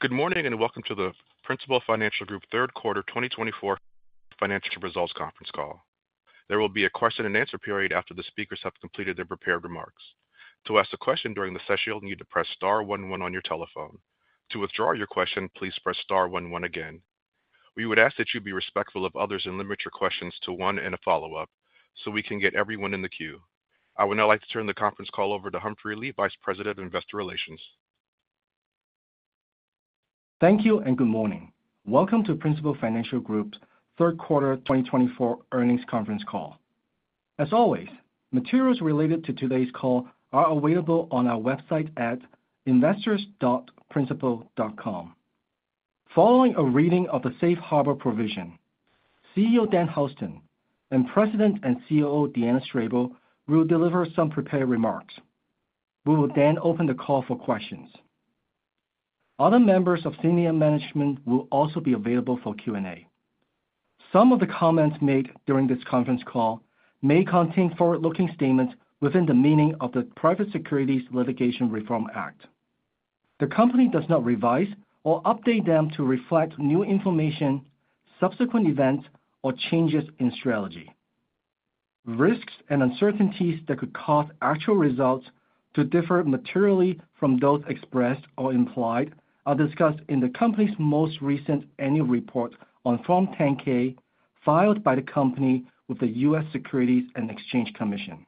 Good morning, and welcome to the Principal Financial Group third quarter 2024 financial results conference call. There will be a question-and-answer period after the speakers have completed their prepared remarks. To ask a question during the session, you'll need to press star one one on your telephone. To withdraw your question, please press star one one again. We would ask that you be respectful of others and limit your questions to one and a follow-up so we can get everyone in the queue. I would now like to turn the conference call over to Humphrey Li, Vice President of Investor Relations. Thank you and good morning. Welcome to Principal Financial Group's third quarter 2024 earnings conference call. As always, materials related to today's call are available on our website at investors.principal.com. Following a reading of the Safe Harbor provision, CEO Dan Houston and President and COO, Deanna Strable, will deliver some prepared remarks. We will then open the call for questions. Other members of senior management will also be available for Q&A. Some of the comments made during this conference call may contain forward-looking statements within the meaning of the Private Securities Litigation Reform Act. The company does not revise or update them to reflect new information, subsequent events, or changes in strategy. Risks and uncertainties that could cause actual results to differ materially from those expressed or implied are discussed in the company's most recent annual report on Form 10-K, filed by the company with the U.S. Securities and Exchange Commission.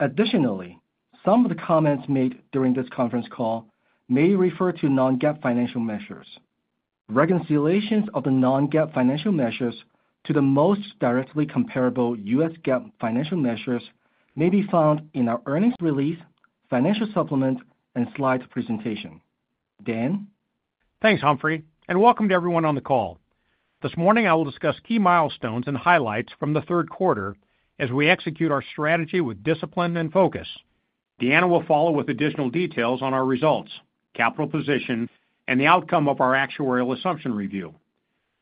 Additionally, some of the comments made during this conference call may refer to non-GAAP financial measures. Reconciliations of the non-GAAP financial measures to the most directly comparable U.S. GAAP financial measures may be found in our earnings release, financial supplement and slides presentation. Dan? Thanks, Humphrey, and welcome to everyone on the call. This morning, I will discuss key milestones and highlights from the third quarter as we execute our strategy with discipline and focus. Deanna will follow with additional details on our results, capital position, and the outcome of our actuarial assumption review.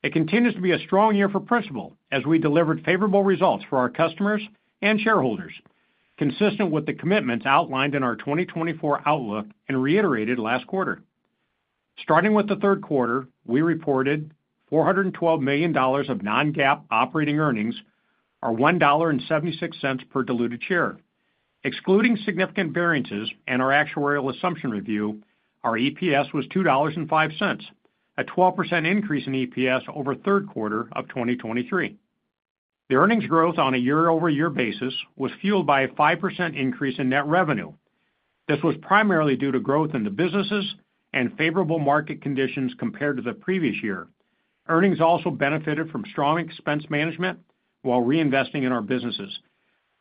It continues to be a strong year for Principal, as we delivered favorable results for our customers and shareholders, consistent with the commitments outlined in our 2024 outlook and reiterated last quarter. Starting with the third quarter, we reported $412 million of non-GAAP operating earnings, or $1.76 per diluted share. Excluding significant variances in our actuarial assumption review, our EPS was $2.05, a 12% increase in EPS over third quarter of 2023. The earnings growth on a year-over-year basis was fueled by a 5% increase in net revenue. This was primarily due to growth in the businesses and favorable market conditions compared to the previous year. Earnings also benefited from strong expense management while reinvesting in our businesses.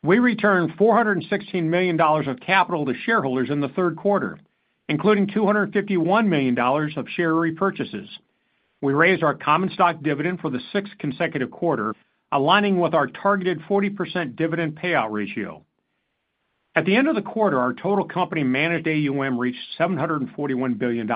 We returned $416 million of capital to shareholders in the third quarter, including $251 million of share repurchases. We raised our common stock dividend for the sixth consecutive quarter, aligning with our targeted 40% dividend payout ratio. At the end of the quarter, our total company managed AUM reached $741 billion,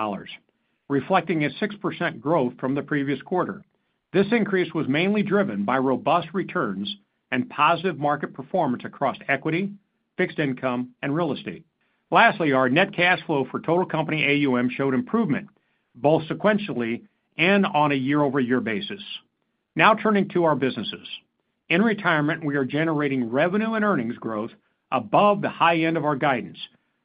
reflecting a 6% growth from the previous quarter. This increase was mainly driven by robust returns and positive market performance across equity, fixed income, and real estate. Lastly, our net cash flow for total company AUM showed improvement, both sequentially and on a year-over-year basis. Now turning to our businesses. In retirement, we are generating revenue and earnings growth above the high end of our guidance.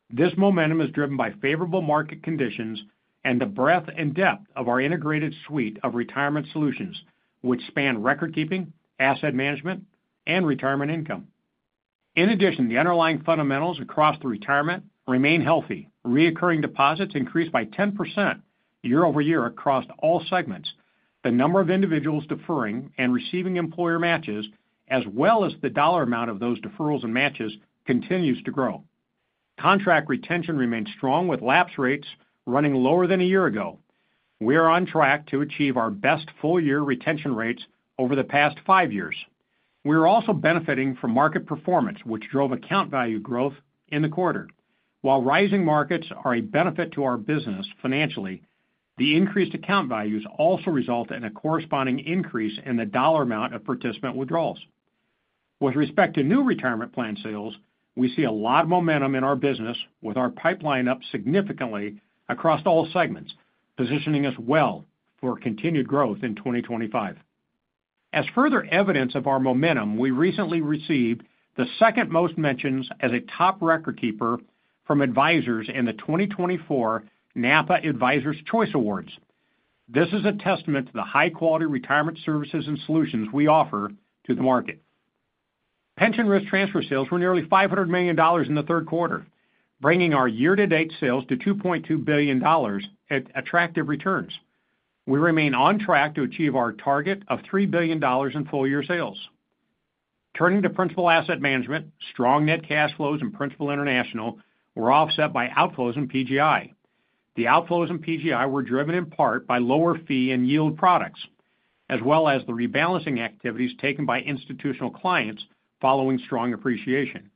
This momentum is driven by favorable market conditions and the breadth and depth of our integrated suite of retirement solutions, which span record-keeping, asset management, and retirement income. In addition, the underlying fundamentals across the retirement remain healthy. Recurring deposits increased by 10% year over year across all segments. The number of individuals deferring and receiving employer matches, as well as the dollar amount of those deferrals and matches, continues to grow. Contract retention remains strong, with lapse rates running lower than a year ago. We are on track to achieve our best full-year retention rates over the past five years. We are also benefiting from market performance, which drove account value growth in the quarter. While rising markets are a benefit to our business financially, the increased account values also result in a corresponding increase in the dollar amount of participant withdrawals. With respect to new retirement plan sales, we see a lot of momentum in our business, with our pipeline up significantly across all segments, positioning us well for continued growth in 2025. As further evidence of our momentum, we recently received the second most mentions as a top record keeper from advisors in the 2024 NAPA Advisors Choice Awards. This is a testament to the high-quality retirement services and solutions we offer to the market. Pension risk transfer sales were nearly $500 million in the third quarter, bringing our year-to-date sales to $2.2 billion at attractive returns. We remain on track to achieve our target of $3 billion in full-year sales. Turning to Principal Asset Management, strong net cash flows in Principal International were offset by outflows in PGI. The outflows in PGI were driven in part by lower fee and yield products, as well as the rebalancing activities taken by institutional clients following strong appreciation.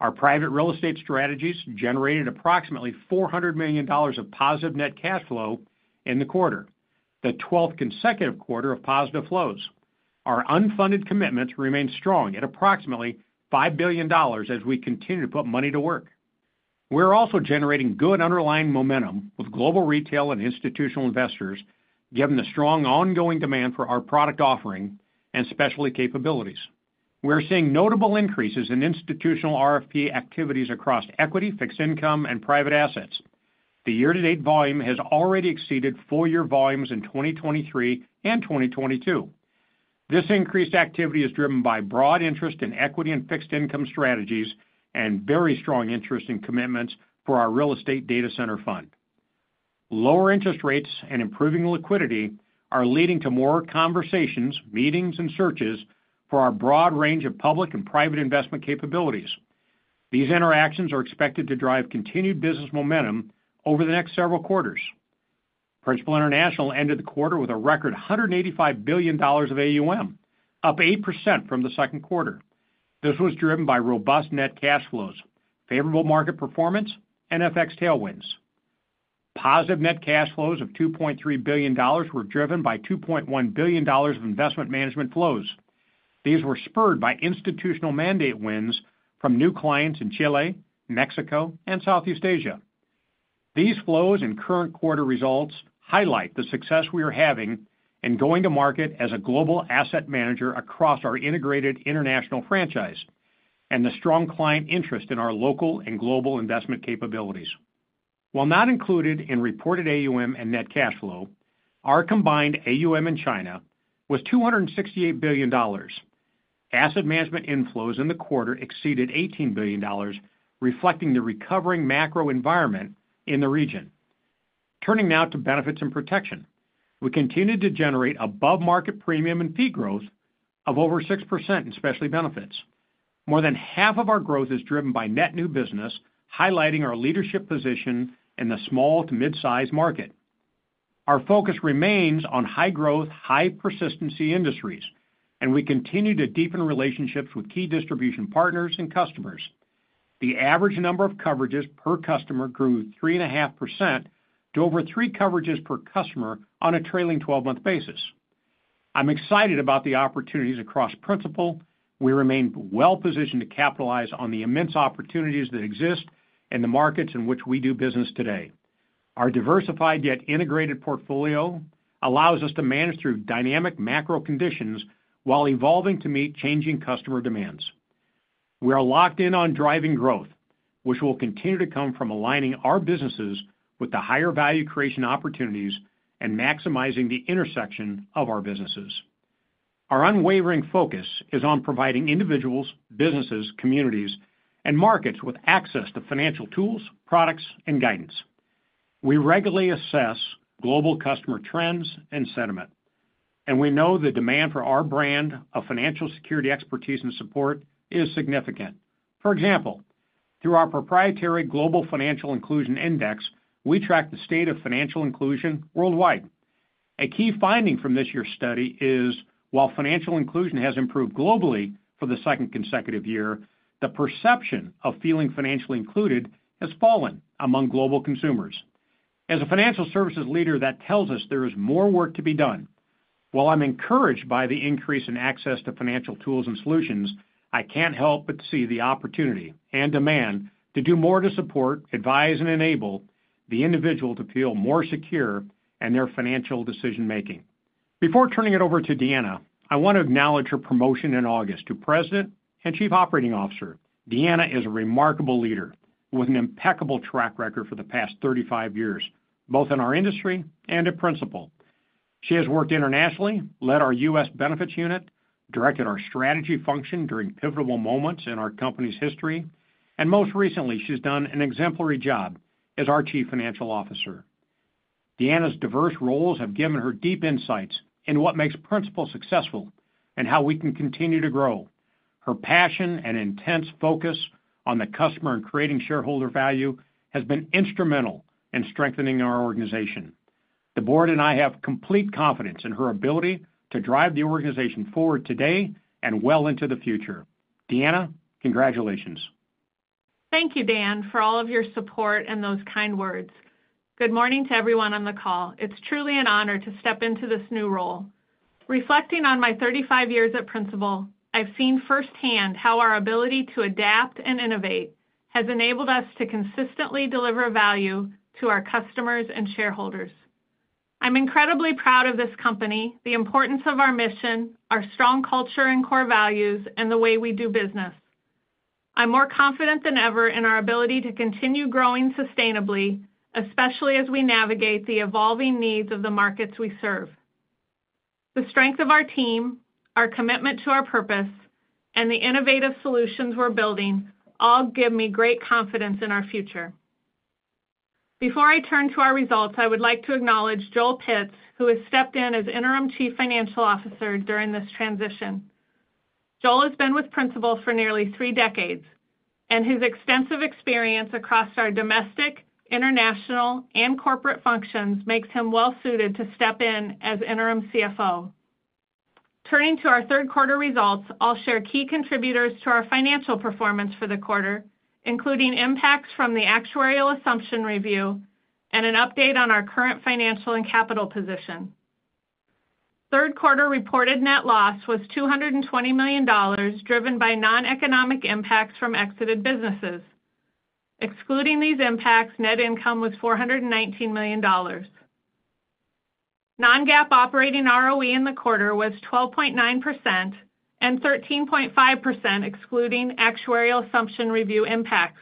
Our private real estate strategies generated approximately $400 million of positive net cash flow in the quarter, the twelfth consecutive quarter of positive flows.... Our unfunded commitments remain strong at approximately $5 billion as we continue to put money to work. We're also generating good underlying momentum with global retail and institutional investors, given the strong ongoing demand for our product offering and specialty capabilities. We're seeing notable increases in institutional RFP activities across equity, fixed income, and private assets. The year-to-date volume has already exceeded full-year volumes in 2023 and 2022. This increased activity is driven by broad interest in equity and fixed income strategies and very strong interest in commitments for our real estate data center fund. Lower interest rates and improving liquidity are leading to more conversations, meetings, and searches for our broad range of public and private investment capabilities. These interactions are expected to drive continued business momentum over the next several quarters. Principal International ended the quarter with a record $185 billion of AUM, up 8% from the second quarter. This was driven by robust net cash flows, favorable market performance, and FX tailwinds. Positive net cash flows of $2.3 billion were driven by $2.1 billion of investment management flows. These were spurred by institutional mandate wins from new clients in Chile, Mexico, and Southeast Asia. These flows and current quarter results highlight the success we are having in going to market as a global asset manager across our integrated international franchise, and the strong client interest in our local and global investment capabilities. While not included in reported AUM and net cash flow, our combined AUM in China was $268 billion. Asset management inflows in the quarter exceeded $18 billion, reflecting the recovering macro environment in the region. Turning now to benefits and protection. We continued to generate above-market premium and fee growth of over 6% in Specialty Benefits. More than half of our growth is driven by net new business, highlighting our leadership position in the small to mid-size market. Our focus remains on high growth, high persistency industries, and we continue to deepen relationships with key distribution partners and customers. The average number of coverages per customer grew 3.5% to over three coverages per customer on a trailing twelve-month basis. I'm excited about the opportunities across Principal. We remain well positioned to capitalize on the immense opportunities that exist in the markets in which we do business today. Our diversified, yet integrated portfolio allows us to manage through dynamic macro conditions while evolving to meet changing customer demands. We are locked in on driving growth, which will continue to come from aligning our businesses with the higher value creation opportunities and maximizing the intersection of our businesses. Our unwavering focus is on providing individuals, businesses, communities, and markets with access to financial tools, products, and guidance. We regularly assess global customer trends and sentiment, and we know the demand for our brand of financial security, expertise, and support is significant. For example, through our proprietary Global Financial Inclusion Index, we track the state of financial inclusion worldwide. A key finding from this year's study is, while financial inclusion has improved globally for the second consecutive year, the perception of feeling financially included has fallen among global consumers. As a financial services leader, that tells us there is more work to be done. While I'm encouraged by the increase in access to financial tools and solutions, I can't help but see the opportunity and demand to do more to support, advise, and enable the individual to feel more secure in their financial decision making. Before turning it over to Deanna, I want to acknowledge her promotion in August to President and Chief Operating Officer. Deanna is a remarkable leader with an impeccable track record for the past thirty-five years, both in our industry and at Principal. She has worked internationally, led our U.S. Benefits unit, directed our strategy function during pivotal moments in our company's history, and most recently, she's done an exemplary job as our Chief Financial Officer. Deanna's diverse roles have given her deep insights in what makes Principal successful and how we can continue to grow. Her passion and intense focus on the customer and creating shareholder value has been instrumental in strengthening our organization. The board and I have complete confidence in her ability to drive the organization forward today and well into the future. Deanna, congratulations. Thank you, Dan, for all of your support and those kind words. Good morning to everyone on the call. It's truly an honor to step into this new role. Reflecting on my thirty-five years at Principal, I've seen firsthand how our ability to adapt and innovate has enabled us to consistently deliver value to our customers and shareholders. I'm incredibly proud of this company, the importance of our mission, our strong culture and core values, and the way we do business. I'm more confident than ever in our ability to continue growing sustainably, especially as we navigate the evolving needs of the markets we serve. The strength of our team, our commitment to our purpose, and the innovative solutions we're building all give me great confidence in our future. Before I turn to our results, I would like to acknowledge Joel Pitz, who has stepped in as Interim Chief Financial Officer during this transition. Joel has been with Principal for nearly three decades, and his extensive experience across our domestic, international, and corporate functions makes him well suited to step in as interim CFO. Turning to our third quarter results, I'll share key contributors to our financial performance for the quarter, including impacts from the actuarial assumption review and an update on our current financial and capital position. Third quarter reported net loss was $220 million, driven by non-economic impacts from exited businesses. Excluding these impacts, net income was $419 million. Non-GAAP operating ROE in the quarter was 12.9% and 13.5%, excluding actuarial assumption review impacts.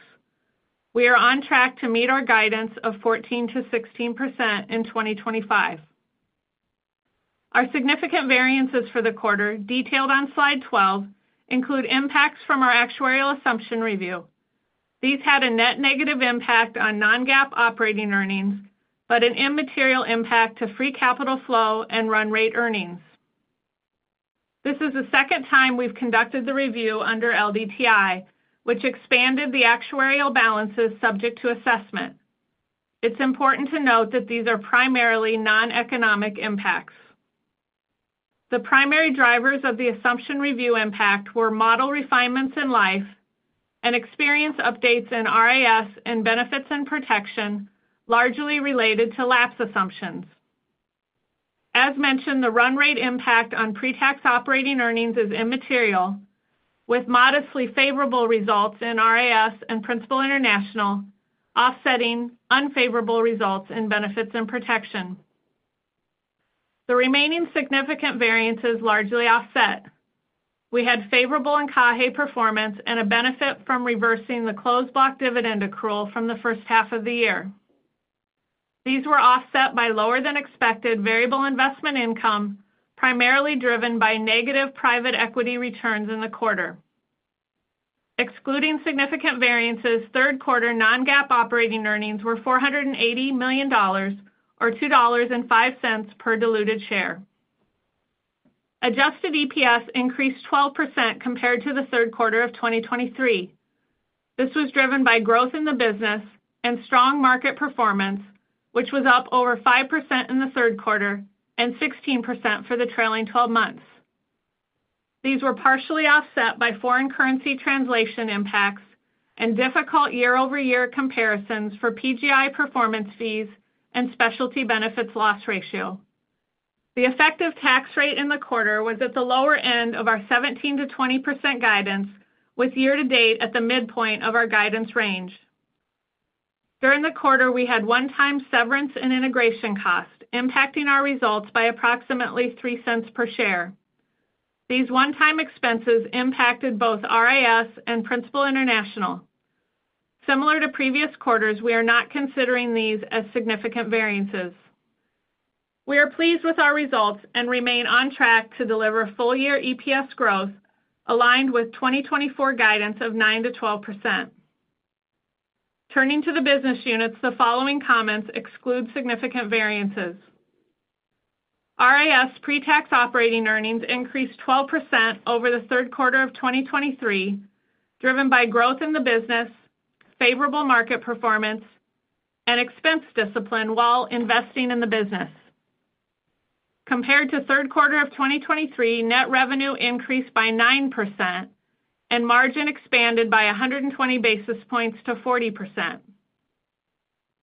We are on track to meet our guidance of 14%-16% in 2025. Our significant variances for the quarter, detailed on slide 12, include impacts from our actuarial assumption review. These had a net negative impact on Non-GAAP operating earnings, but an immaterial impact to free capital flow and run rate earnings. This is the second time we've conducted the review under LDTI, which expanded the actuarial balances subject to assessment. It's important to note that these are primarily non-economic impacts. The primary drivers of the assumption review impact were model refinements in Life and experience updates in RIS and Benefits and Protection, largely related to lapse assumptions. As mentioned, the run rate impact on pre-tax operating earnings is immaterial, with modestly favorable results in RIS and Principal International, offsetting unfavorable results in Benefits and Protection. The remaining significant variances largely offset. We had favorable income performance and a benefit from reversing the closed block dividend accrual from the first half of the year. These were offset by lower than expected variable investment income, primarily driven by negative private equity returns in the quarter. Excluding significant variances, third quarter non-GAAP operating earnings were $480 million or $2.05 per diluted share. Adjusted EPS increased 12% compared to the third quarter of 2023. This was driven by growth in the business and strong market performance, which was up over 5% in the third quarter and 16% for the trailing twelve months. These were partially offset by foreign currency translation impacts and difficult year-over-year comparisons for PGI performance fees and specialty benefits loss ratio. The effective tax rate in the quarter was at the lower end of our 17%-20% guidance, with year to date at the midpoint of our guidance range. During the quarter, we had one-time severance and integration cost, impacting our results by approximately $0.03 per share. These one-time expenses impacted both RIS and Principal International. Similar to previous quarters, we are not considering these as significant variances. We are pleased with our results and remain on track to deliver full-year EPS growth aligned with 2024 guidance of 9%-12%. Turning to the business units, the following comments exclude significant variances. RIS pre-tax operating earnings increased 12% over the third quarter of 2023, driven by growth in the business, favorable market performance, and expense discipline while investing in the business. Compared to third quarter of 2023, net revenue increased by 9% and margin expanded by 120 basis points to 40%.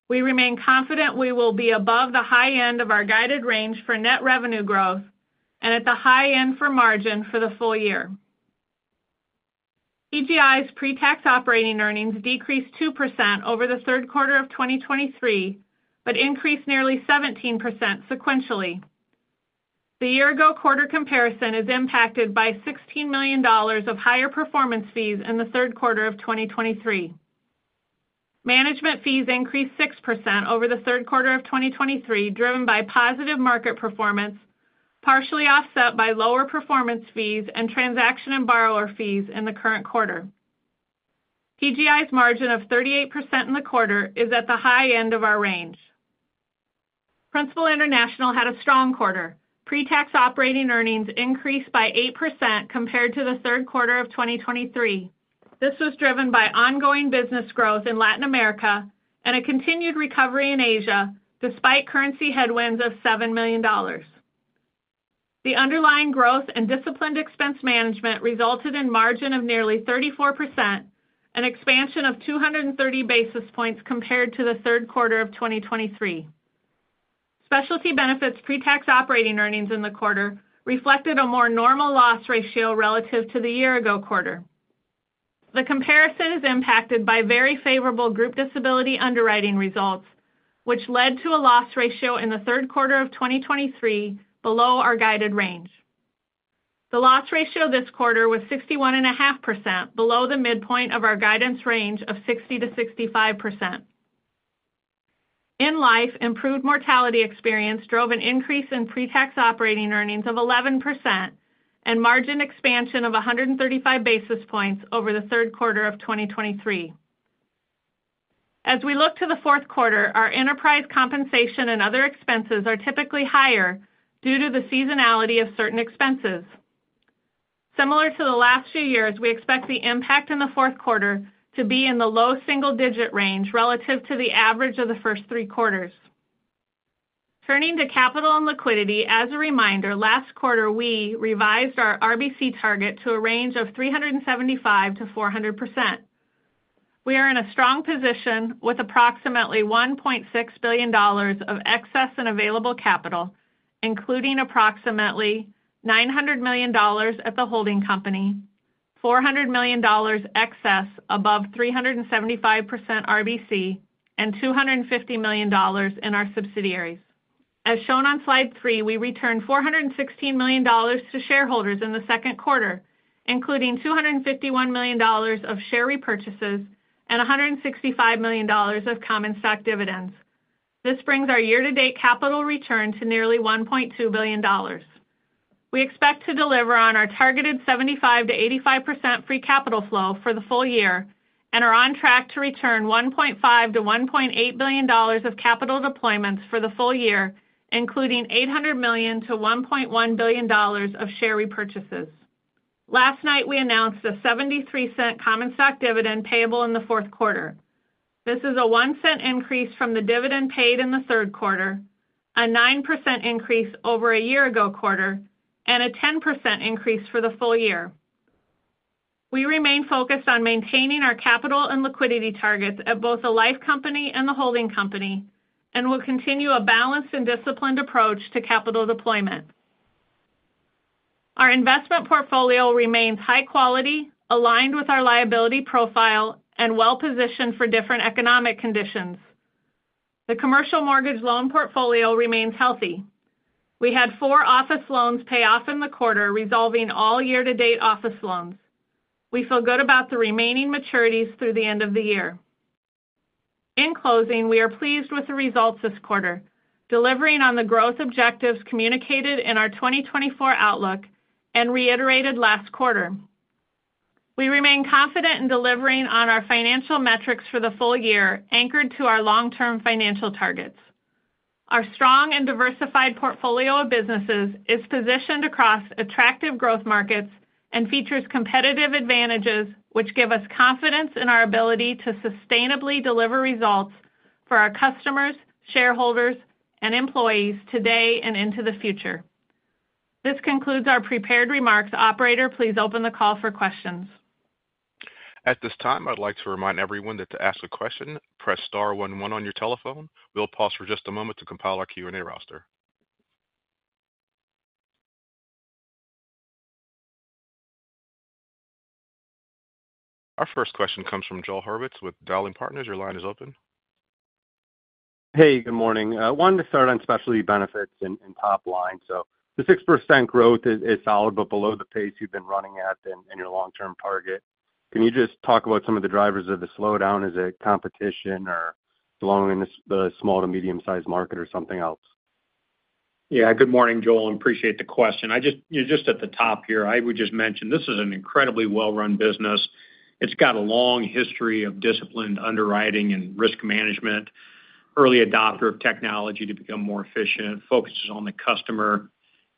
We remain confident we will be above the high end of our guided range for net revenue growth and at the high end for margin for the full year. PGI's pre-tax operating earnings decreased 2% over the third quarter of 2023, but increased nearly 17% sequentially. The year ago quarter comparison is impacted by $16 million of higher performance fees in the third quarter of 2023. Management fees increased 6% over the third quarter of 2023, driven by positive market performance, partially offset by lower performance fees and transaction and borrower fees in the current quarter. PGI's margin of 38% in the quarter is at the high end of our range. Principal International had a strong quarter. Pre-tax operating earnings increased by 8% compared to the third quarter of 2023. This was driven by ongoing business growth in Latin America and a continued recovery in Asia, despite currency headwinds of $7 million. The underlying growth and disciplined expense management resulted in margin of nearly 34%, an expansion of 230 basis points compared to the third quarter of 2023. Specialty benefits pre-tax operating earnings in the quarter reflected a more normal loss ratio relative to the year-ago quarter. The comparison is impacted by very favorable group disability underwriting results, which led to a loss ratio in the third quarter of 2023 below our guided range. The loss ratio this quarter was 61.5%, below the midpoint of our guidance range of 60%-65%. In Life, improved mortality experience drove an increase in pre-tax operating earnings of 11% and margin expansion of 135 basis points over the third quarter of 2023. As we look to the fourth quarter, our enterprise compensation and other expenses are typically higher due to the seasonality of certain expenses. Similar to the last few years, we expect the impact in the fourth quarter to be in the low single digit range relative to the average of the first three quarters. Turning to capital and liquidity. As a reminder, last quarter, we revised our RBC target to a range of 375-400%. We are in a strong position with approximately $1.6 billion of excess and available capital, including approximately $900 million at the holding company, $400 million excess above 375% RBC, and $250 million in our subsidiaries. As shown on Slide 3, we returned $416 million to shareholders in the second quarter, including $251 million of share repurchases and $165 million of common stock dividends. This brings our year-to-date capital return to nearly $1.2 billion. We expect to deliver on our targeted 75%-85% free capital flow for the full year and are on track to return $1.5-$1.8 billion of capital deployments for the full year, including $800 million-$1.1 billion of share repurchases. Last night, we announced a $0.73 common stock dividend payable in the fourth quarter. This is a $0.01 increase from the dividend paid in the third quarter, a 9% increase over a year ago quarter, and a 10% increase for the full year. We remain focused on maintaining our capital and liquidity targets at both the life company and the holding company, and will continue a balanced and disciplined approach to capital deployment. Our investment portfolio remains high quality, aligned with our liability profile, and well-positioned for different economic conditions. The commercial mortgage loan portfolio remains healthy. We had four office loans pay off in the quarter, resolving all year-to-date office loans. We feel good about the remaining maturities through the end of the year. In closing, we are pleased with the results this quarter, delivering on the growth objectives communicated in our 2024 outlook and reiterated last quarter. We remain confident in delivering on our financial metrics for the full year, anchored to our long-term financial targets. Our strong and diversified portfolio of businesses is positioned across attractive growth markets and features competitive advantages, which give us confidence in our ability to sustainably deliver results for our customers, shareholders, and employees today and into the future. This concludes our prepared remarks. Operator, please open the call for questions. At this time, I'd like to remind everyone that to ask a question, press star one one on your telephone. We'll pause for just a moment to compile our Q&A roster. Our first question comes from Joel Hurwitz with Dowling Partners. Your line is open. Hey, good morning. I wanted to start on specialty benefits and top line. So the 6% growth is solid, but below the pace you've been running at in your long-term target. Can you just talk about some of the drivers of the slowdown? Is it competition or belonging to the small- to medium-sized market or something else? Yeah, good morning, Joel, and appreciate the question. Just at the top here, I would just mention this is an incredibly well-run business. It's got a long history of disciplined underwriting and risk management, early adopter of technology to become more efficient, focuses on the customer,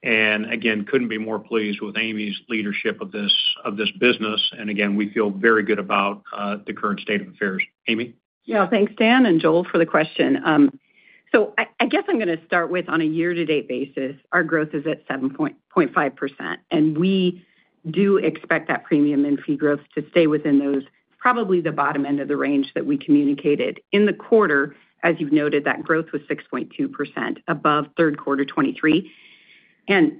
and again, couldn't be more pleased with Amy's leadership of this, of this business. And again, we feel very good about the current state of affairs. Amy? Yeah. Thanks, Dan, and Joel, for the question. I guess I'm gonna start with on a year-to-date basis, our growth is at 7.5%, and we do expect that premium and fee growth to stay within those, probably the bottom end of the range that we communicated. In the quarter, as you've noted, that growth was 6.2% above third quarter 2023, and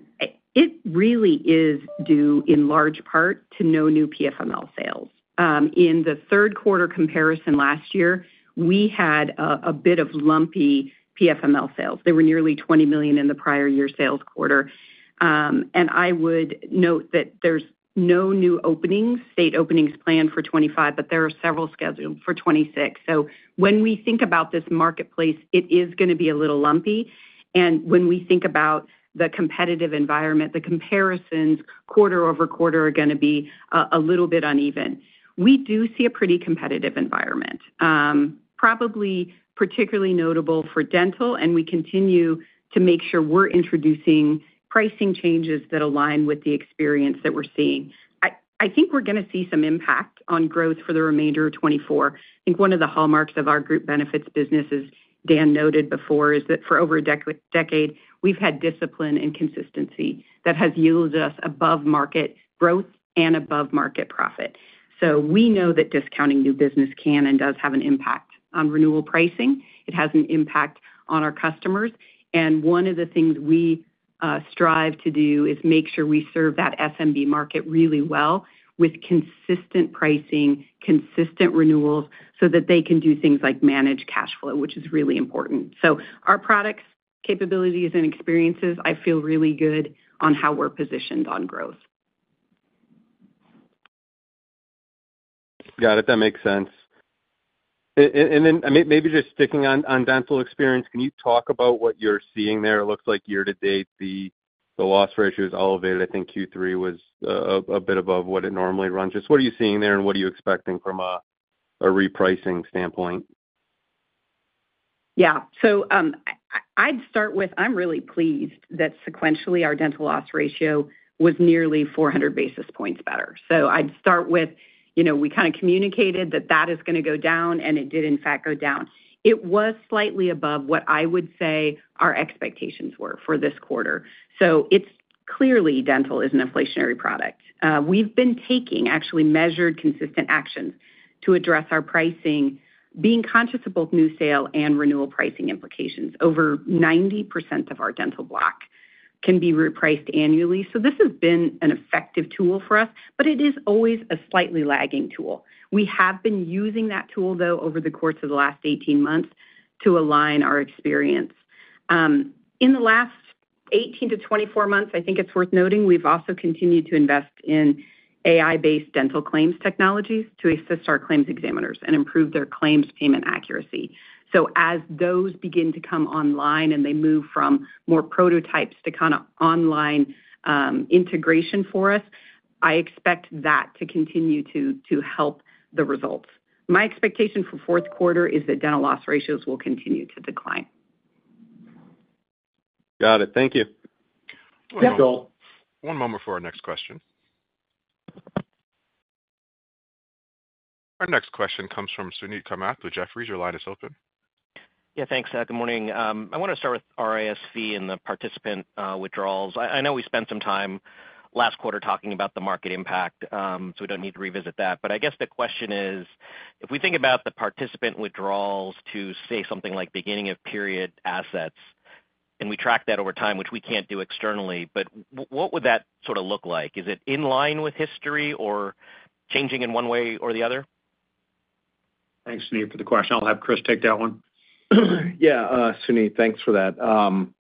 it really is due in large part to no new PFML sales. In the third quarter comparison last year, we had a bit of lumpy PFML sales. There were nearly $20 million in the prior year sales quarter. And I would note that there's no new openings, state openings planned for 2025, but there are several scheduled for 2026. So when we think about this marketplace, it is gonna be a little lumpy, and when we think about the competitive environment, the comparisons quarter over quarter are gonna be a little bit uneven. We do see a pretty competitive environment, probably particularly notable for dental, and we continue to make sure we're introducing pricing changes that align with the experience that we're seeing. I think we're gonna see some impact on growth for the remainder of 2024. I think one of the hallmarks of our group benefits business, as Dan noted before, is that for over a decade, we've had discipline and consistency that has yielded us above-market growth and above-market profit. So we know that discounting new business can and does have an impact on renewal pricing. It has an impact on our customers, and one of the things we strive to do is make sure we serve that SMB market really well with consistent pricing, consistent renewals, so that they can do things like manage cash flow, which is really important. So our products, capabilities, and experiences, I feel really good on how we're positioned on growth. Got it. That makes sense. And then maybe just sticking on dental experience, can you talk about what you're seeing there? It looks like year to date, the loss ratio is elevated. I think Q3 was a bit above what it normally runs. Just what are you seeing there, and what are you expecting from a repricing standpoint? Yeah, so I'd start with, I'm really pleased that sequentially, our dental loss ratio was nearly 400 basis points better, so I'd start with, you know, we kinda communicated that that is gonna go down, and it did, in fact, go down. It was slightly above what I would say our expectations were for this quarter, so it's- ...Clearly, dental is an inflationary product. We've been taking actually measured, consistent actions to address our pricing, being conscious of both new sale and renewal pricing implications. Over 90% of our dental block can be repriced annually. So this has been an effective tool for us, but it is always a slightly lagging tool. We have been using that tool, though, over the course of the last 18 months to align our experience. In the last 18 to 24 months, I think it's worth noting, we've also continued to invest in AI-based dental claims technologies to assist our claims examiners and improve their claims payment accuracy. So as those begin to come online and they move from more prototypes to kind of online integration for us, I expect that to continue to help the results. My expectation for fourth quarter is that dental loss ratios will continue to decline. Got it. Thank you. Yep. One moment before our next question. Our next question comes from Sunit Kamath with Jefferies. Your line is open. Yeah, thanks. Good morning. I want to start with RIS and the participant withdrawals. I know we spent some time last quarter talking about the market impact, so we don't need to revisit that. But I guess the question is: if we think about the participant withdrawals to, say, something like beginning of period assets, and we track that over time, which we can't do externally, but what would that sort of look like? Is it in line with history or changing in one way or the other? Thanks, Sunit, for the question. I'll have Chris take that one. Yeah, Sunit, thanks for that.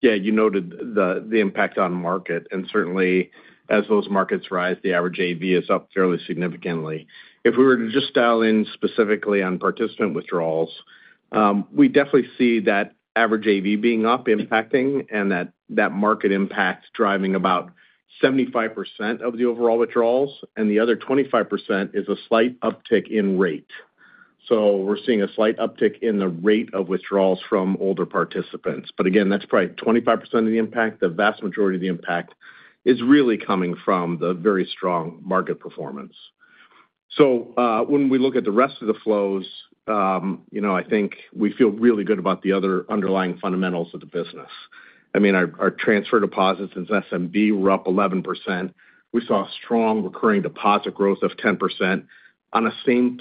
Yeah, you noted the impact on market, and certainly as those markets rise, the average AV is up fairly significantly. If we were to just dial in specifically on participant withdrawals, we definitely see that average AV being up impacting and that market impact driving about 75% of the overall withdrawals, and the other 25% is a slight uptick in rate. So we're seeing a slight uptick in the rate of withdrawals from older participants. But again, that's probably 25% of the impact. The vast majority of the impact is really coming from the very strong market performance. So, when we look at the rest of the flows, you know, I think we feel really good about the other underlying fundamentals of the business. I mean, our transfer deposits into SMB were up 11%. We saw strong recurring deposit growth of 10% on the same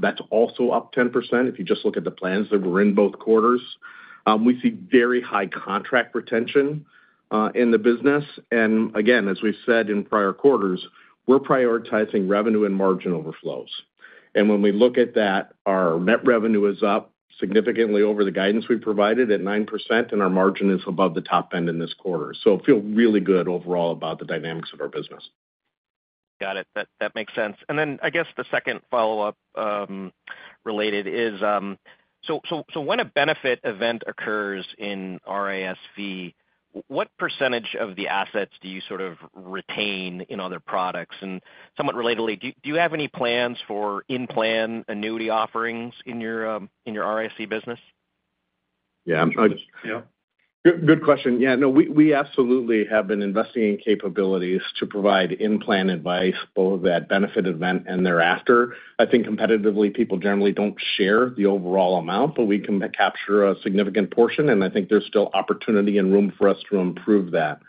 plan. That's also up 10%, if you just look at the plans that were in both quarters. We see very high contract retention in the business. And again, as we've said in prior quarters, we're prioritizing revenue and margin overflows. And when we look at that, our net revenue is up significantly over the guidance we've provided at 9%, and our margin is above the top end in this quarter. So I feel really good overall about the dynamics of our business. Got it. That makes sense. And then I guess the second follow-up, related is, so when a benefit event occurs in RIS, what percentage of the assets do you sort of retain in other products? And somewhat relatedly, do you have any plans for in-plan annuity offerings in your RIS business? Yeah, I'm- Yeah. Good, good question. Yeah, no, we, we absolutely have been investing in capabilities to provide in-plan advice, both at benefit event and thereafter. I think competitively, people generally don't share the overall amount, but we can capture a significant portion, and I think there's still opportunity and room for us to improve that.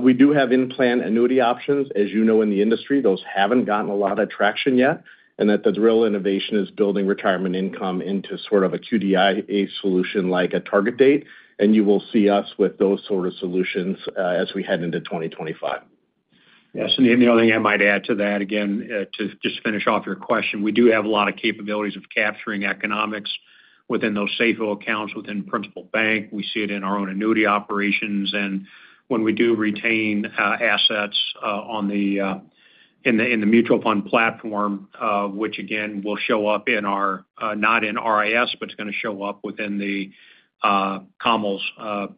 We do have in-plan annuity options. As you know, in the industry, those haven't gotten a lot of traction yet, and that the real innovation is building retirement income into sort of a QDIA solution like a target date, and you will see us with those sort of solutions, as we head into 2025. Yeah, Sunit, the only thing I might add to that, again, to just finish off your question, we do have a lot of capabilities of capturing economics within those savings accounts within Principal Bank. We see it in our own annuity operations, and when we do retain assets on the mutual fund platform, which again, will show up in our, not in RIS, but it's going to show up within Kamal's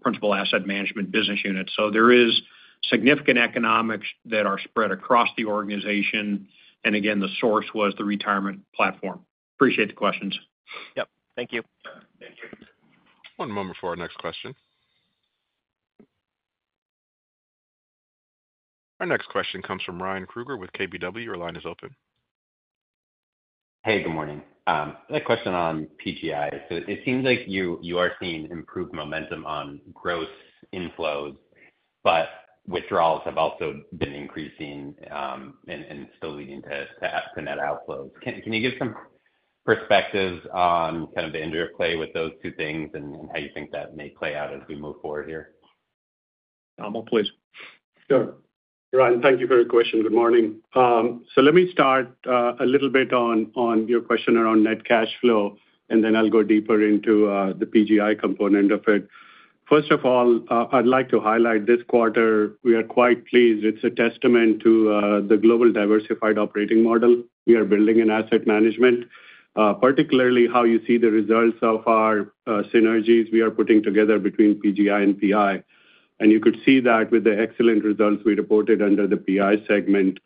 Principal Asset Management business unit. So there is significant economics that are spread across the organization, and again, the source was the retirement platform. Appreciate the questions. Yep. Thank you. One moment before our next question. Our next question comes from Ryan Kruger with KBW. Your line is open. Hey, good morning. A question on PGI. So it seems like you are seeing improved momentum on growth inflows, but withdrawals have also been increasing, and still leading to net outflows. Can you give some perspective on kind of the interplay with those two things and how you think that may play out as we move forward here? Kamal, please. Sure. Ryan, thank you for your question. Good morning. So let me start a little bit on your question around net cash flow, and then I'll go deeper into the PGI component of it. First of all, I'd like to highlight this quarter. We are quite pleased. It's a testament to the global diversified operating model we are building in asset management, particularly how you see the results of our synergies we are putting together between PGI and PI. You could see that with the excellent results we reported under the PI segment.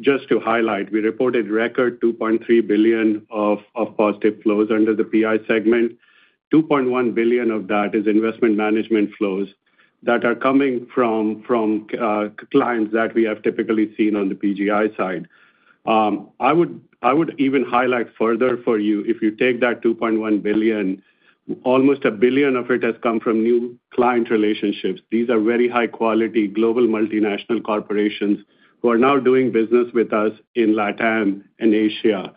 Just to highlight, we reported record $2.3 billion of positive flows under the PI segment. $2.1 billion of that is investment management flows that are coming from clients that we have typically seen on the PGI side. I would even highlight further for you, if you take that $2.1 billion, almost $1 billion of it has come from new client relationships. These are very high quality, global multinational corporations who are now doing business with us in LATAM and Asia.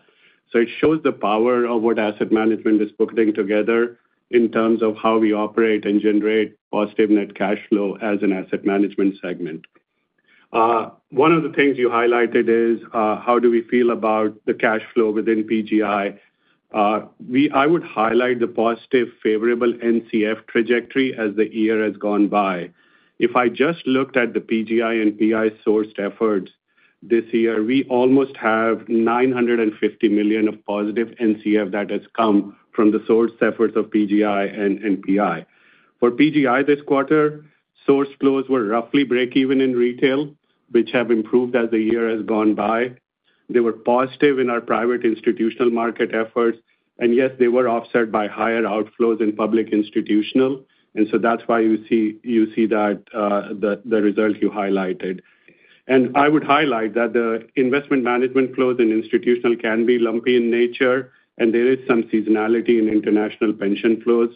So it shows the power of what asset management is putting together in terms of how we operate and generate positive net cash flow as an asset management segment. One of the things you highlighted is, how do we feel about the cash flow within PGI? I would highlight the positive, favorable NCF trajectory as the year has gone by. If I just looked at the PGI and PI sourced efforts this year, we almost have $950 million of positive NCF that has come from the source efforts of PGI and PI. For PGI this quarter, source flows were roughly break even in retail, which have improved as the year has gone by. They were positive in our private institutional market efforts, and yes, they were offset by higher outflows in public institutional, and so that's why you see that the results you highlighted. And I would highlight that the investment management flows in institutional can be lumpy in nature, and there is some seasonality in international pension flows.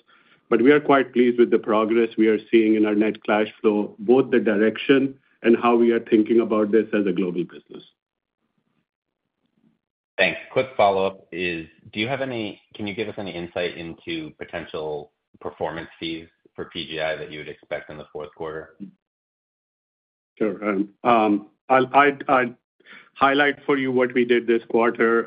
But we are quite pleased with the progress we are seeing in our net cash flow, both the direction and how we are thinking about this as a global business. Thanks. Quick follow-up is, can you give us any insight into potential performance fees for PGI that you would expect in the fourth quarter? Sure. I'll highlight for you what we did this quarter.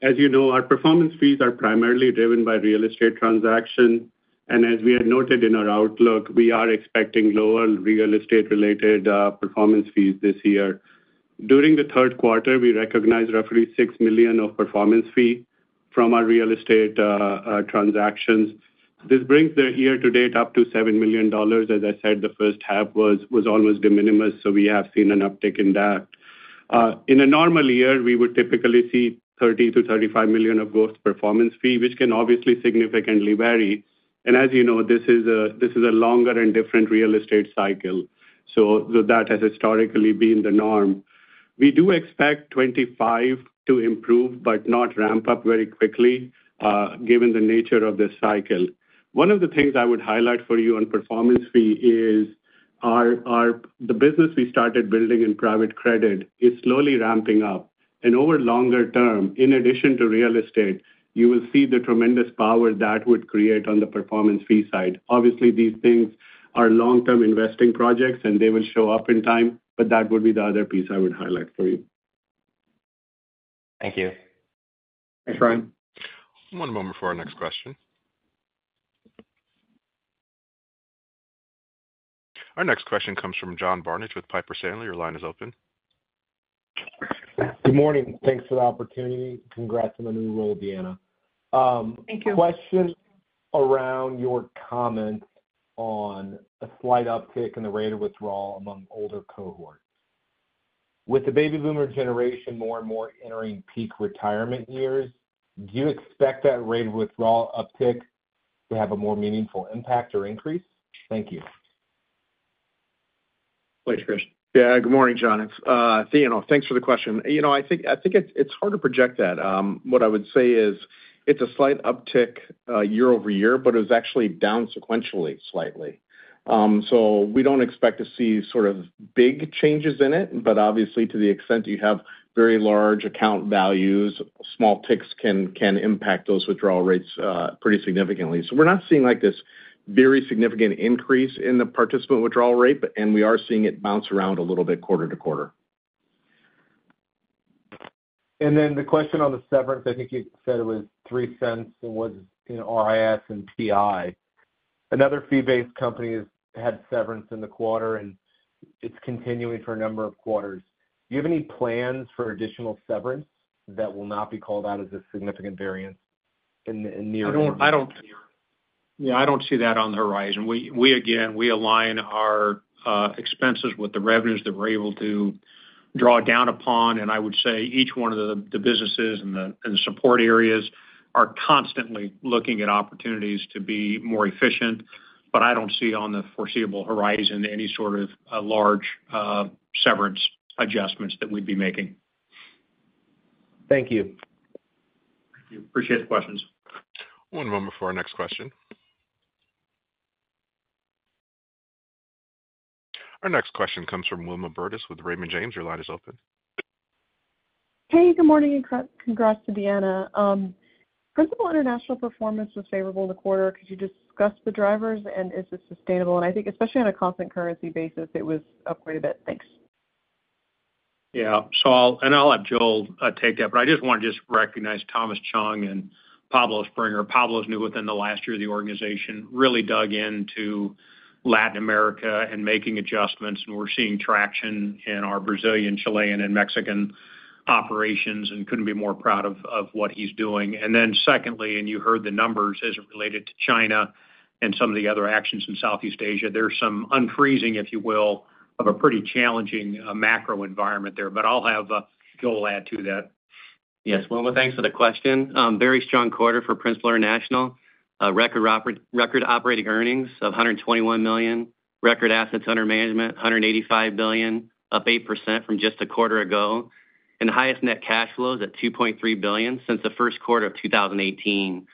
As you know, our performance fees are primarily driven by real estate transaction, and as we had noted in our outlook, we are expecting lower real estate-related performance fees this year. During the third quarter, we recognized roughly $6 million of performance fee from our real estate transactions. This brings the year-to-date up to $7 million. As I said, the first half was almost de minimis, so we have seen an uptick in that. In a normal year, we would typically see $30-$35 million of growth performance fee, which can obviously significantly vary. As you know, this is a longer and different real estate cycle, so that has historically been the norm. We do expect twenty-five to improve, but not ramp up very quickly, given the nature of this cycle. One of the things I would highlight for you on performance fee is the business we started building in private credit is slowly ramping up. And over longer term, in addition to real estate, you will see the tremendous power that would create on the performance fee side. Obviously, these things are long-term investing projects, and they will show up in time, but that would be the other piece I would highlight for you. Thank you. Thanks, Ryan. One moment for our next question. Our next question comes from John Barnidge with Piper Sandler. Your line is open. Good morning. Thanks for the opportunity. Congrats on the new role, Deanna. Thank you. Question around your comments on a slight uptick in the rate of withdrawal among older cohorts. With the Baby Boomer generation more and more entering peak retirement years, do you expect that rate of withdrawal uptick to have a more meaningful impact or increase? Thank you. Thanks, Chris. Yeah, good morning, John. It's, you know, thanks for the question. You know, I think it's hard to project that. What I would say is it's a slight uptick year over year, but it was actually down sequentially, slightly. So we don't expect to see sort of big changes in it, but obviously, to the extent you have very large account values, small ticks can impact those withdrawal rates pretty significantly. So we're not seeing, like, this very significant increase in the participant withdrawal rate, but and we are seeing it bounce around a little bit quarter to quarter. Then the question on the severance, I think you said it was $0.03, and was, you know, RIS and TI. Another fee-based company has had severance in the quarter, and it's continuing for a number of quarters. Do you have any plans for additional severance that will not be called out as a significant variance in the near term? I don't see that on the horizon. Again, we align our expenses with the revenues that we're able to draw down upon, and I would say each one of the businesses and the support areas are constantly looking at opportunities to be more efficient. But I don't see on the foreseeable horizon any sort of large severance adjustments that we'd be making. Thank you. Appreciate the questions. One moment before our next question. Our next question comes from Wilma Burdis with Raymond James. Your line is open. Hey, good morning, and congrats to Deanna. Principal International performance was favorable in the quarter. Could you discuss the drivers, and is this sustainable? And I think especially on a constant currency basis, it was up quite a bit. Thanks. Yeah. So I'll let Joel take that, but I just want to just recognize Thomas Cheong and Pablo Sprenger. Pablo's new within the last year of the organization, really dug into Latin America and making adjustments, and we're seeing traction in our Brazilian, Chilean, and Mexican operations and couldn't be more proud of what he's doing. And then secondly, and you heard the numbers as it related to China and some of the other actions in Southeast Asia, there's some unfreezing, if you will, of a pretty challenging macro environment there. But I'll have Joel add to that.... Yes, Wilma, thanks for the question. Very strong quarter for Principal International. Record operating earnings of $121 million, record assets under management, $185 billion, up 8% from just a quarter ago, and the highest net cash flows at $2.3 billion since the first quarter of 2018.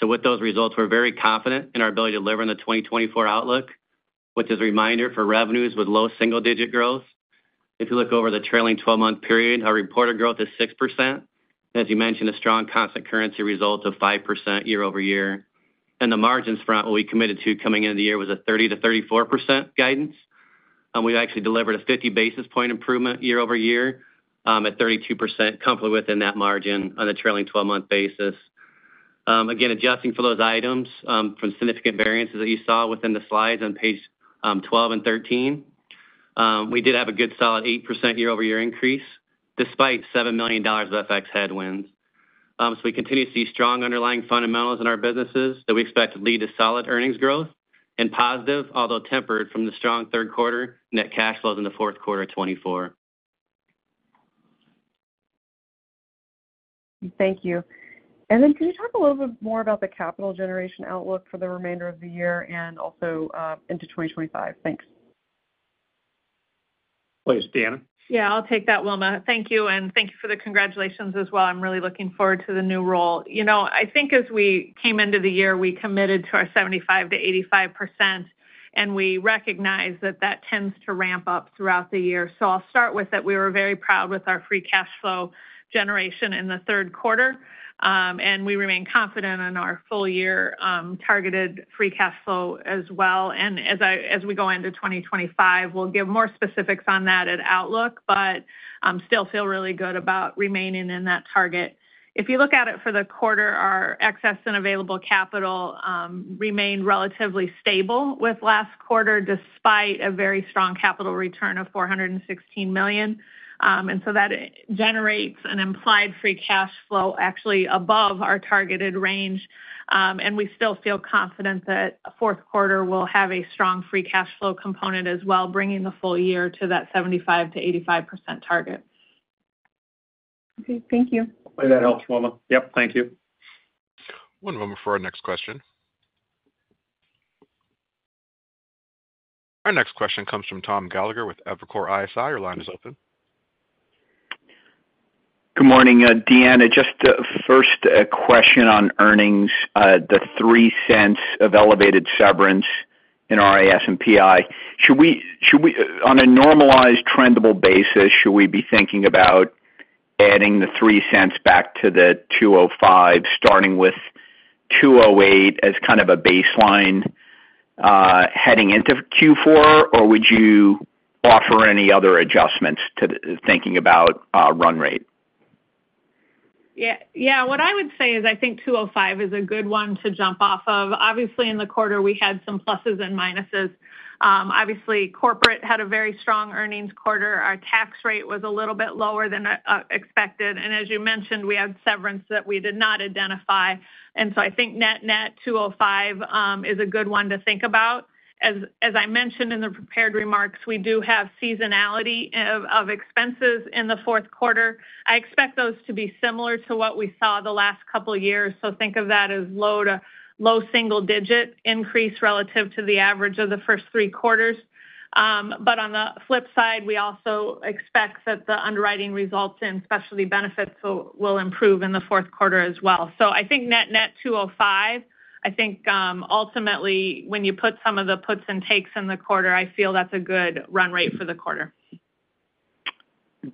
So with those results, we're very confident in our ability to deliver on the 2024 outlook, which is a reminder for revenues with low single-digit growth. If you look over the trailing twelve-month period, our reported growth is 6%. As you mentioned, a strong constant currency result of 5% year over year. On the margins front, what we committed to coming into the year was a 30%-34% guidance. We've actually delivered a 50 basis point improvement year over year, at 32%, comfortably within that margin on a trailing twelve-month basis. Again, adjusting for those items from significant variances that you saw within the slides on page 12 and 13, we did have a good solid 8% year over year increase, despite $7 million of FX headwinds. So we continue to see strong underlying fundamentals in our businesses that we expect to lead to solid earnings growth and positive, although tempered from the strong third quarter, net cash flows in the fourth quarter of 2024. Thank you, and then can you talk a little bit more about the capital generation outlook for the remainder of the year and also into 2025? Thanks. Please, Deanna. Yeah, I'll take that, Wilma. Thank you, and thank you for the congratulations as well. I'm really looking forward to the new role. You know, I think as we came into the year, we committed to our 75%-85%, and we recognize that that tends to ramp up throughout the year. So I'll start with that we were very proud with our free cash flow generation in the third quarter, and we remain confident in our full year targeted free cash flow as well. And as we go into 2025, we'll give more specifics on that at Outlook, but still feel really good about remaining in that target. If you look at it for the quarter, our excess and available capital remained relatively stable with last quarter, despite a very strong capital return of $416 million. And so that generates an implied free cash flow actually above our targeted range, and we still feel confident that fourth quarter will have a strong free cash flow component as well, bringing the full year to that 75%-85% target. Okay. Thank you. Hope that helps, Wilma. Yep, thank you. One moment for our next question. Our next question comes from Tom Gallagher with Evercore ISI. Your line is open. Good morning, Deanna. Just first, a question on earnings, the $0.03 of elevated severance in RIS and PI. On a normalized, trendable basis, should we be thinking about adding the $0.03 back to the $2.05, starting with $2.08 as kind of a baseline, heading into Q4? Or would you offer any other adjustments to the thinking about run rate? Yeah, yeah. What I would say is I think $2.05 is a good one to jump off of. Obviously, in the quarter, we had some pluses and minuses. Obviously, corporate had a very strong earnings quarter. Our tax rate was a little bit lower than expected, and as you mentioned, we had severance that we did not identify. And so I think net-net, $2.05 is a good one to think about. As I mentioned in the prepared remarks, we do have seasonality of expenses in the fourth quarter. I expect those to be similar to what we saw the last couple of years, so think of that as low to low single digit increase relative to the average of the first three quarters. But on the flip side, we also expect that the underwriting results and specialty benefits will improve in the fourth quarter as well. So I think net-net 205, I think, ultimately, when you put some of the puts and takes in the quarter, I feel that's a good run rate for the quarter.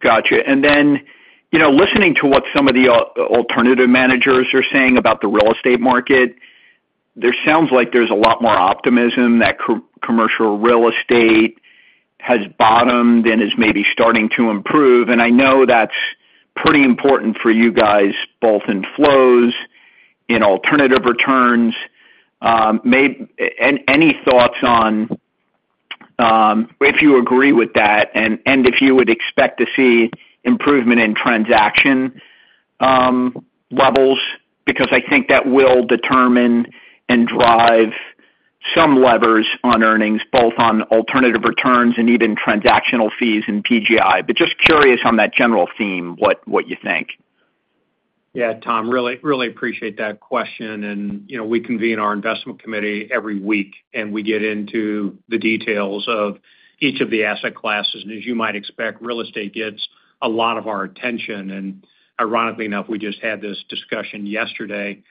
Gotcha. And then, you know, listening to what some of the alternative managers are saying about the real estate market, there sounds like there's a lot more optimism that commercial real estate has bottomed and is maybe starting to improve. And I know that's pretty important for you guys, both in flows, in alternative returns. Any thoughts on if you agree with that, and if you would expect to see improvement in transaction levels? Because I think that will determine and drive some levers on earnings, both on alternative returns and even transactional fees in PGI. But just curious on that general theme, what you think. Yeah, Tom, really, really appreciate that question. And, you know, we convene our investment committee every week, and we get into the details of each of the asset classes. And as you might expect, real estate gets a lot of our attention. And ironically enough, we just had this discussion yesterday.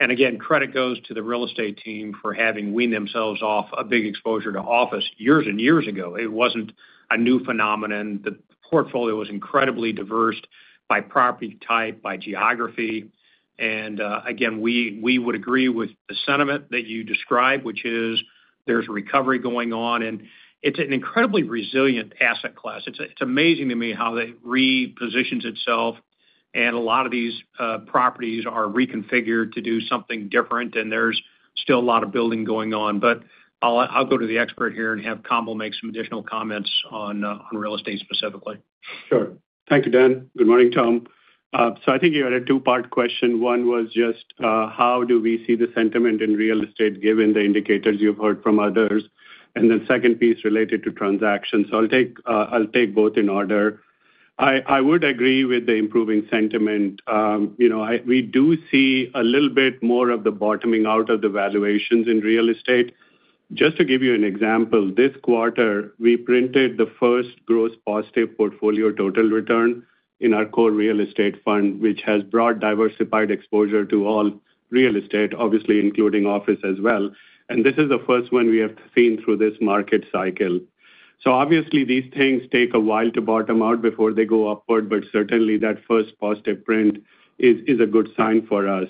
And again, credit goes to the real estate team for having weaned themselves off a big exposure to office years and years ago. It wasn't a new phenomenon. The portfolio was incredibly diversified by property type, by geography. And again, we would agree with the sentiment that you described, which is there's a recovery going on, and it's an incredibly resilient asset class. It's amazing to me how that repositions itself, and a lot of these properties are reconfigured to do something different, and there's still a lot of building going on. But I'll go to the expert here and have Kamal make some additional comments on real estate specifically. Sure. Thank you, Dan. Good morning, Tom. So I think you had a two-part question. One was just how do we see the sentiment in real estate, given the indicators you've heard from others? And the second piece related to transactions. So I'll take both in order.... I would agree with the improving sentiment. You know, we do see a little bit more of the bottoming out of the valuations in real estate. Just to give you an example, this quarter, we printed the first gross positive portfolio total return in our core real estate fund, which has broad, diversified exposure to all real estate, obviously including office as well, and this is the first one we have seen through this market cycle. So obviously, these things take a while to bottom out before they go upward, but certainly that first positive print is a good sign for us.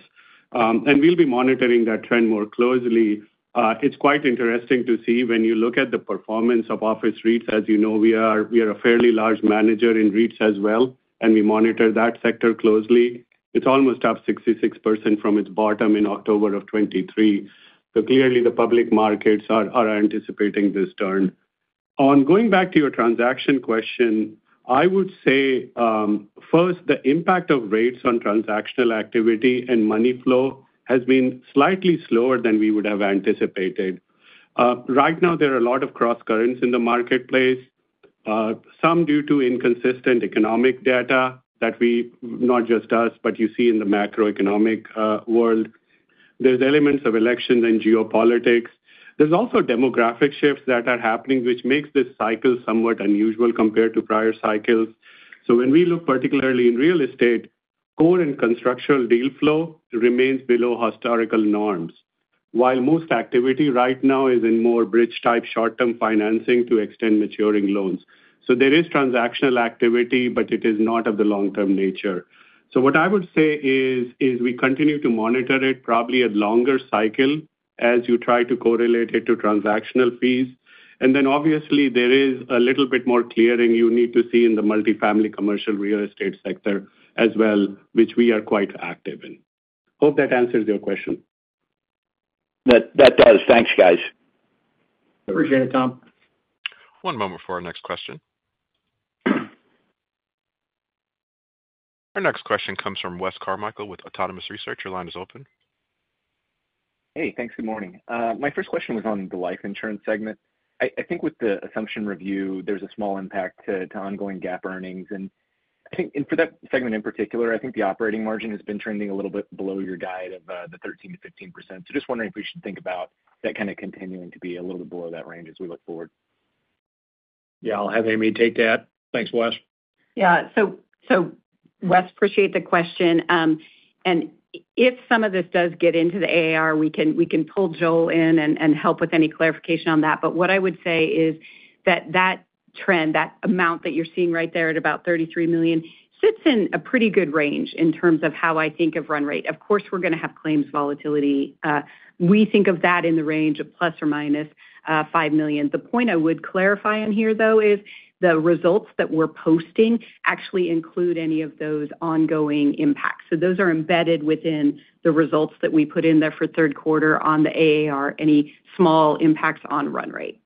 And we'll be monitoring that trend more closely. It's quite interesting to see when you look at the performance of office REITs. As you know, we are a fairly large manager in REITs as well, and we monitor that sector closely. It's almost up 66% from its bottom in October of 2023. So clearly, the public markets are anticipating this turn. Going back to your transaction question, I would say first, the impact of rates on transactional activity and money flow has been slightly slower than we would have anticipated. Right now, there are a lot of crosscurrents in the marketplace, some due to inconsistent economic data that we, not just us, but you see in the macroeconomic world. There's elements of elections and geopolitics. There's also demographic shifts that are happening, which makes this cycle somewhat unusual compared to prior cycles. So when we look particularly in real estate, core and construction deal flow remains below historical norms, while most activity right now is in more bridge-type, short-term financing to extend maturing loans. So there is transactional activity, but it is not of the long-term nature. So what I would say is we continue to monitor it, probably a longer cycle, as you try to correlate it to transactional fees. And then obviously, there is a little bit more clearing you need to see in the multifamily commercial real estate sector as well, which we are quite active in. Hope that answers your question. That, that does. Thanks, guys. Appreciate it, Tom. One moment before our next question. Our next question comes from Wes Carmichael with Autonomous Research. Your line is open. Hey, thanks. Good morning. My first question was on the life insurance segment. I, I think with the assumption review, there's a small impact to, to ongoing GAAP earnings. And I think, and for that segment in particular, I think the operating margin has been trending a little bit below your guide of the 13%-15%. So just wondering if we should think about that kind of continuing to be a little bit below that range as we look forward? Yeah, I'll have Amy take that. Thanks, Wes. Yeah. So, Wes, I appreciate the question. And if some of this does get into the AAR, we can pull Joel in and help with any clarification on that. But what I would say is that trend, that amount that you're seeing right there at about $33 million, sits in a pretty good range in terms of how I think of run rate. Of course, we're gonna have claims volatility. We think of that in the range of plus or minus $5 million. The point I would clarify in here, though, is the results that we're posting actually include any of those ongoing impacts. So those are embedded within the results that we put in there for third quarter on the AAR, any small impacts on run rate.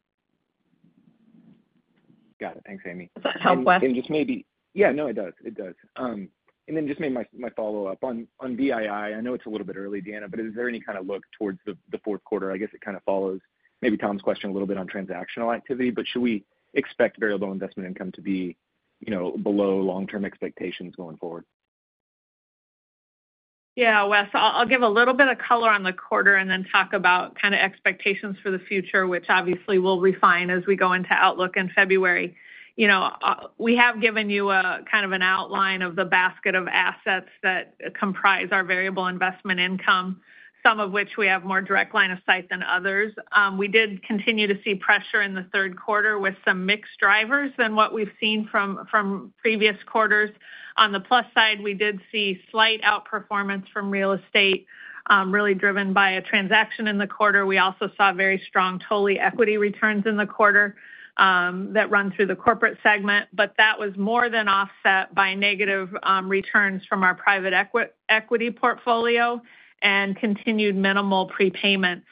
Got it. Thanks, Amy. Does that help, Wes? Yeah. No, it does. It does. And then just maybe my follow-up. On VII, I know it's a little bit early, Deanna, but is there any kind of look towards the fourth quarter? I guess it kind of follows maybe Tom's question a little bit on transactional activity, but should we expect variable investment income to be, you know, below long-term expectations going forward? Yeah, Wes, I'll give a little bit of color on the quarter and then talk about kind of expectations for the future, which obviously we'll refine as we go into outlook in February. You know, we have given you a kind of an outline of the basket of assets that comprise our variable investment income, some of which we have more direct line of sight than others. We did continue to see pressure in the third quarter with some mixed drivers than what we've seen from previous quarters. On the plus side, we did see slight outperformance from real estate, really driven by a transaction in the quarter. We also saw very strong total equity returns in the quarter that run through the corporate segment, but that was more than offset by negative returns from our private equity portfolio and continued minimal prepayments.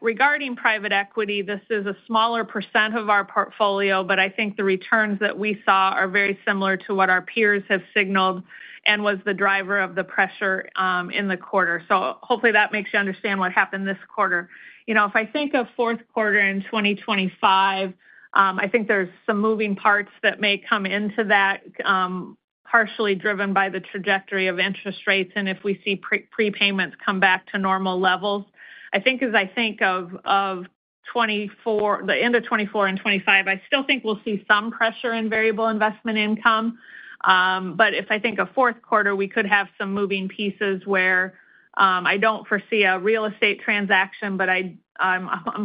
Regarding private equity, this is a smaller % of our portfolio, but I think the returns that we saw are very similar to what our peers have signaled and was the driver of the pressure in the quarter. So hopefully that makes you understand what happened this quarter. You know, if I think of fourth quarter in 2025, I think there's some moving parts that may come into that, partially driven by the trajectory of interest rates and if we see prepayments come back to normal levels. I think of the end of 2024 and 2025, I still think we'll see some pressure in variable investment income. But if I think of fourth quarter, we could have some moving pieces where I don't foresee a real estate transaction, but I'm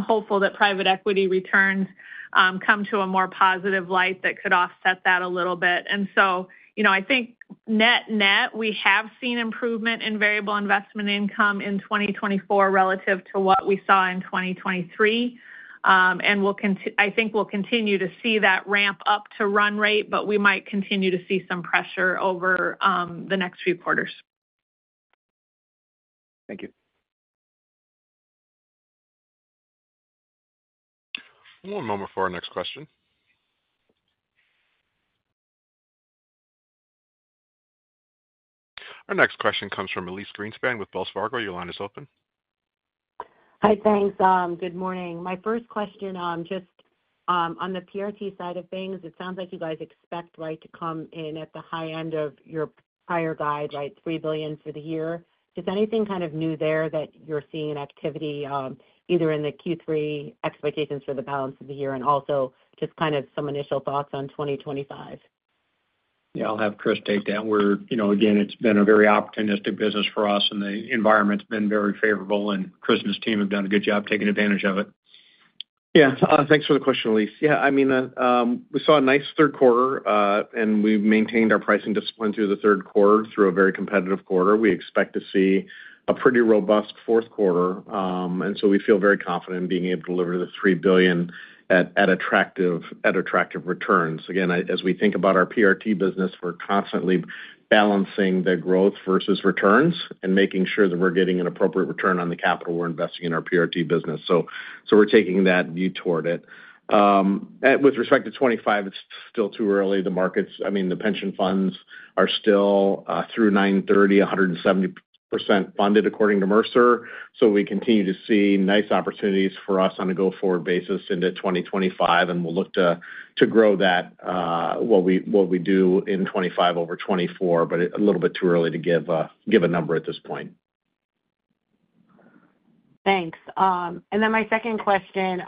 hopeful that private equity returns come to a more positive light that could offset that a little bit. And so, you know, I think net, net, we have seen improvement in variable investment income in twenty twenty-four relative to what we saw in twenty twenty-three. And I think we'll continue to see that ramp up to run rate, but we might continue to see some pressure over the next few quarters. Thank you. One moment for our next question. ... Our next question comes from Elise Greenspan with Wells Fargo. Your line is open. Hi, thanks. Good morning. My first question, just, on the PRT side of things, it sounds like you guys expect, right, to come in at the high end of your prior guide, right, $3 billion for the year. Just anything kind of new there that you're seeing in activity, either in the Q3 expectations for the balance of the year, and also just kind of some initial thoughts on 2025? Yeah, I'll have Chris take that. We're, you know, again, it's been a very opportunistic business for us, and the environment's been very favorable, and Chris and his team have done a good job taking advantage of it. Yeah. Thanks for the question, Elise. Yeah, I mean, we saw a nice third quarter, and we've maintained our pricing discipline through the third quarter, through a very competitive quarter. We expect to see a pretty robust fourth quarter. And so we feel very confident in being able to deliver the $3 billion at attractive returns. Again, as we think about our PRT business, we're constantly balancing the growth versus returns and making sure that we're getting an appropriate return on the capital we're investing in our PRT business. So we're taking that view toward it. With respect to 2025, it's still too early. The markets, I mean, the pension funds are still through September 30, 170% funded, according to Mercer. We continue to see nice opportunities for us on a go-forward basis into 2025, and we'll look to grow that, what we do in 2025 over 2024, but a little bit too early to give a number at this point. Thanks. And then my second question,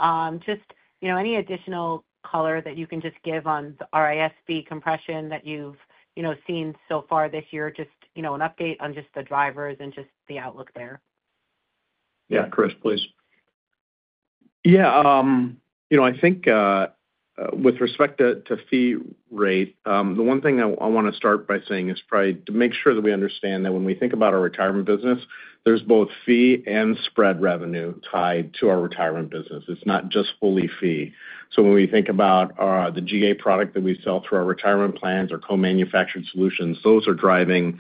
just, you know, any additional color that you can just give on the RIS compression that you've, you know, seen so far this year? Just, you know, an update on just the drivers and just the outlook there. Yeah, Chris, please. Yeah, you know, I think, with respect to fee rate, the one thing I wanna start by saying is probably to make sure that we understand that when we think about our retirement business, there's both fee and spread revenue tied to our retirement business. It's not just fully fee. So when we think about the GA product that we sell through our retirement plans or co-manufactured solutions, those are driving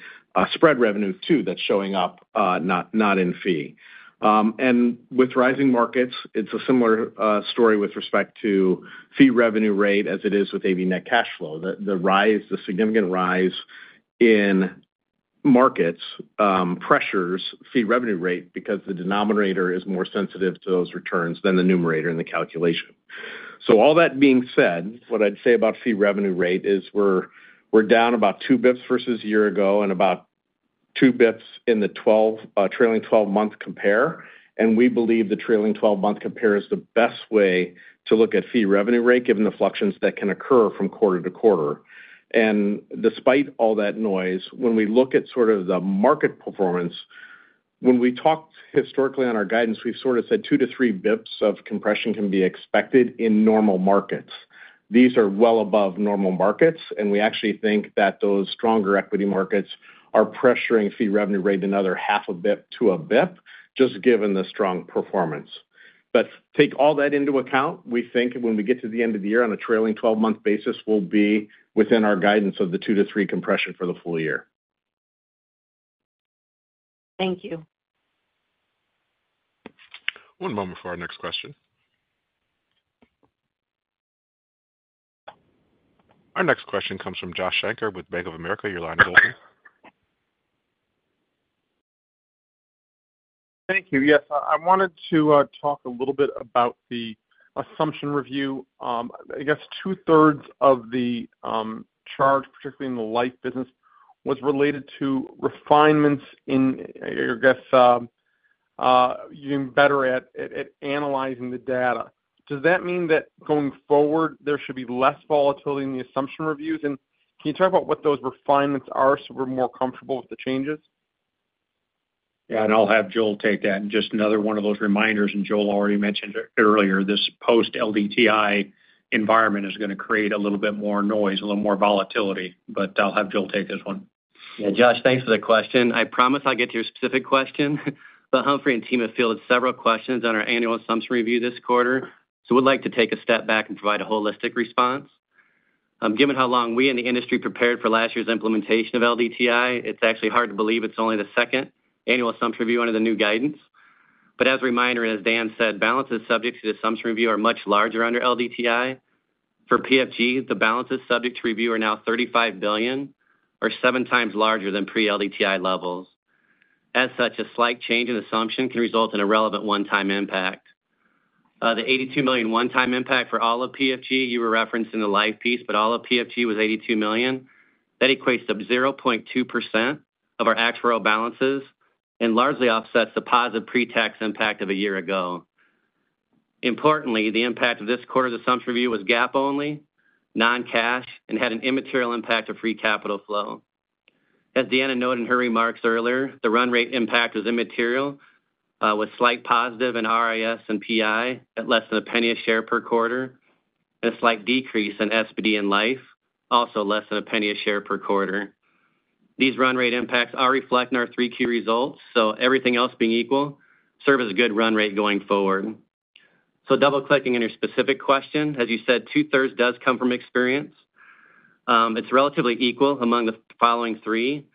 spread revenue, too, that's showing up, not in fee. And with rising markets, it's a similar story with respect to fee revenue rate as it is with AUM net cash flow. The rise, the significant rise in markets, pressures fee revenue rate because the denominator is more sensitive to those returns than the numerator in the calculation. So all that being said, what I'd say about fee revenue rate is we're down about two basis points versus a year ago and about two basis points in the twelve trailing twelve-month compare, and we believe the trailing twelve-month compare is the best way to look at fee revenue rate, given the fluctuations that can occur from quarter to quarter. And despite all that noise, when we look at sort of the market performance, when we talked historically on our guidance, we've sort of said two to three basis points of compression can be expected in normal markets. These are well above normal markets, and we actually think that those stronger equity markets are pressuring fee revenue rate another half a basis point to a basis point, just given the strong performance. But take all that into account, we think when we get to the end of the year, on a trailing twelve-month basis, we'll be within our guidance of the two to three compression for the full year. Thank you. One moment for our next question. Our next question comes from Josh Shanker with Bank of America. Your line is open. Thank you. Yes, I wanted to talk a little bit about the assumption review. I guess two-thirds of the charge, particularly in the life business, was related to refinements in, I guess, you're better at analyzing the data. Does that mean that going forward, there should be less volatility in the assumption reviews? And can you talk about what those refinements are, so we're more comfortable with the changes? Yeah, and I'll have Joel take that. And just another one of those reminders, and Joel already mentioned it earlier. This post-LDTI environment is gonna create a little bit more noise, a little more volatility, but I'll have Joel take this one. Yeah, Josh, thanks for the question. I promise I'll get to your specific question, but Humphrey and team have fielded several questions on our annual assumption review this quarter. So we'd like to take a step back and provide a holistic response. Given how long we in the industry prepared for last year's implementation of LDTI, it's actually hard to believe it's only the second annual assumption review under the new guidance. But as a reminder, as Dan said, balances subject to the assumption review are much larger under LDTI. For PFG, the balances subject to review are now $35 billion or seven times larger than pre-LDTI levels. As such, a slight change in assumption can result in a relevant one-time impact. The $82 million one-time impact for all of PFG. You were referencing the life piece, but all of PFG was $82 million. That equates to 0.2% of our actuarial balances and largely offsets the positive pre-tax impact of a year ago. Importantly, the impact of this quarter's assumption review was GAAP-only, non-cash, and had an immaterial impact on free capital flow. As Deanna noted in her remarks earlier, the run rate impact was immaterial, with slight positive in RIS and PI at less than a penny a share per quarter, and a slight decrease in SBD and Life, also less than a penny a share per quarter. These run rate impacts are reflected in our three-key results, so everything else being equal, serve as a good run rate going forward. So double-clicking on your specific question, as you said, two-thirds does come from experience. It's relatively equal among the following three.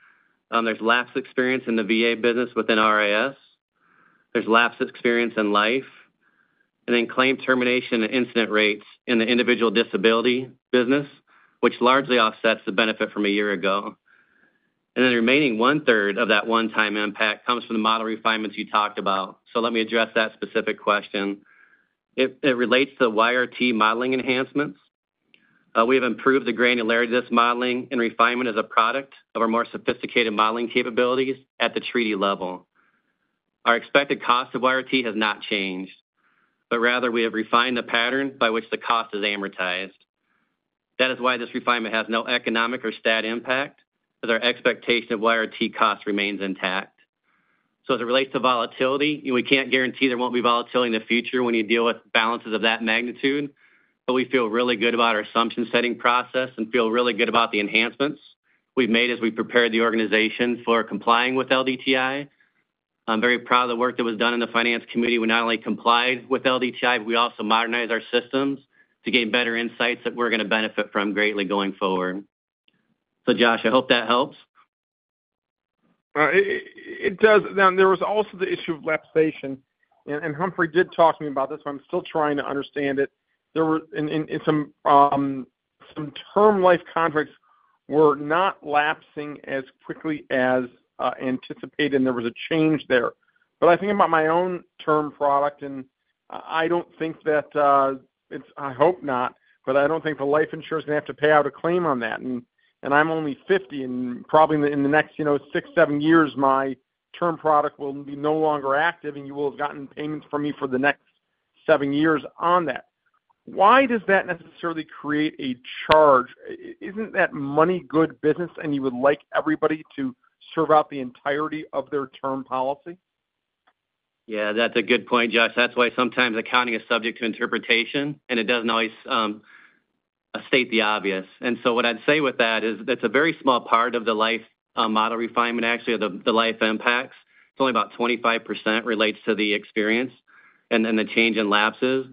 There's lapse experience in the VA business within RIS. There's lapse experience in life. And then claim termination and incidence rates in the individual disability business, which largely offsets the benefit from a year ago. And then the remaining one-third of that one-time impact comes from the model refinements you talked about. So let me address that specific question. It relates to YRT modeling enhancements. We have improved the granularity of this modeling and refinement as a product of our more sophisticated modeling capabilities at the treaty level. Our expected cost of YRT has not changed, but rather we have refined the pattern by which the cost is amortized. That is why this refinement has no economic or statutory impact, but our expectation of YRT cost remains intact. So as it relates to volatility, we can't guarantee there won't be volatility in the future when you deal with balances of that magnitude, but we feel really good about our assumption setting process and feel really good about the enhancements we've made as we prepared the organization for complying with LDTI. I'm very proud of the work that was done in the Finance Committee. We not only complied with LDTI, we also modernized our systems to gain better insights that we're going to benefit from greatly going forward. So Josh, I hope that helps. It does. Now, there was also the issue of lapse, and Humphrey did talk to me about this, so I'm still trying to understand it. Some term life contracts were not lapsing as quickly as anticipated, and there was a change there. But I think about my own term product, and I don't think that it's -- I hope not, but I don't think the life insurer is going to have to pay out a claim on that. I'm only fifty, and probably in the next, you know, six, seven years, my term product will be no longer active, and you will have gotten payments from me for the next seven years on that. Why does that necessarily create a charge? Isn't that money good business, and you would like everybody to serve out the entirety of their term policy? Yeah, that's a good point, Josh. That's why sometimes accounting is subject to interpretation, and it doesn't always state the obvious. And so what I'd say with that is that's a very small part of the life model refinement, actually, of the life impacts. It's only about 25% relates to the experience and then the change in lapses.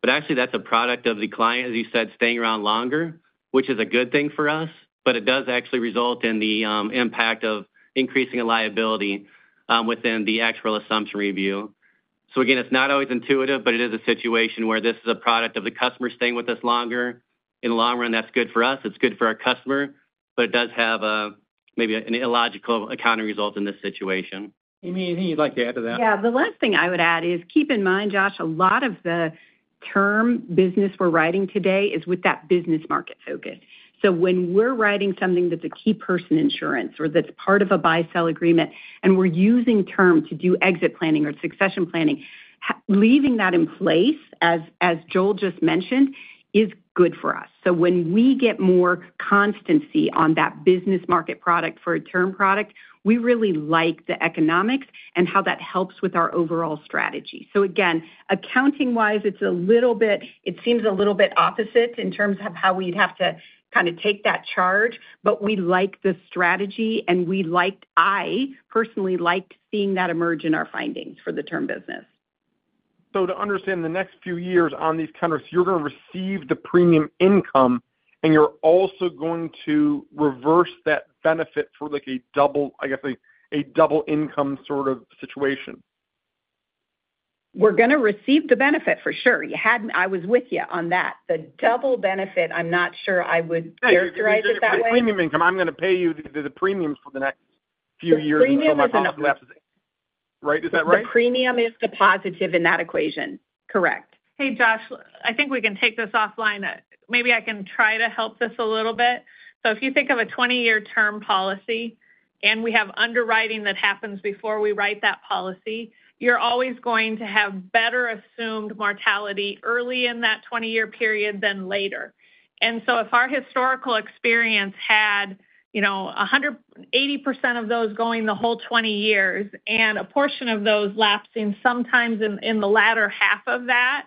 But actually, that's a product of the client, as you said, staying around longer, which is a good thing for us, but it does actually result in the impact of increasing a liability within the actual assumption review. So again, it's not always intuitive, but it is a situation where this is a product of the customer staying with us longer. In the long run, that's good for us, it's good for our customer, but it does have a, maybe an illogical accounting result in this situation. Amy, anything you'd like to add to that? Yeah. The last thing I would add is, keep in mind, Josh, a lot of the term business we're writing today is with that business market focus. So when we're writing something that's a key person insurance or that's part of a buy-sell agreement, and we're using term to do exit planning or succession planning, leaving that in place, as Joel just mentioned, is good for us. So when we get more consistency on that business market product for a term product, we really like the economics and how that helps with our overall strategy. So again, accounting-wise, it's a little bit, it seems a little bit opposite in terms of how we'd have to kind of take that charge, but we like the strategy and we liked, I personally liked seeing that emerge in our findings for the term business. So to understand, the next few years on these contracts, you're going to receive the premium income, and you're also going to reverse that benefit for, like, a double, I guess, a double income sort of situation? We're going to receive the benefit for sure. You had me, I was with you on that. The double benefit, I'm not sure I would characterize it that way. Premium income, I'm going to pay you the premiums for the next few years until my policy lapses, right? Is that right? The premium is the positive in that equation, correct? Hey, Josh, I think we can take this offline. Maybe I can try to help this a little bit. So if you think of a twenty-year term policy, and we have underwriting that happens before we write that policy, you're always going to have better assumed mortality early in that twenty-year period than later. And so if our historical experience had, you know, 180% of those going the whole twenty years and a portion of those lapsing, sometimes in the latter half of that,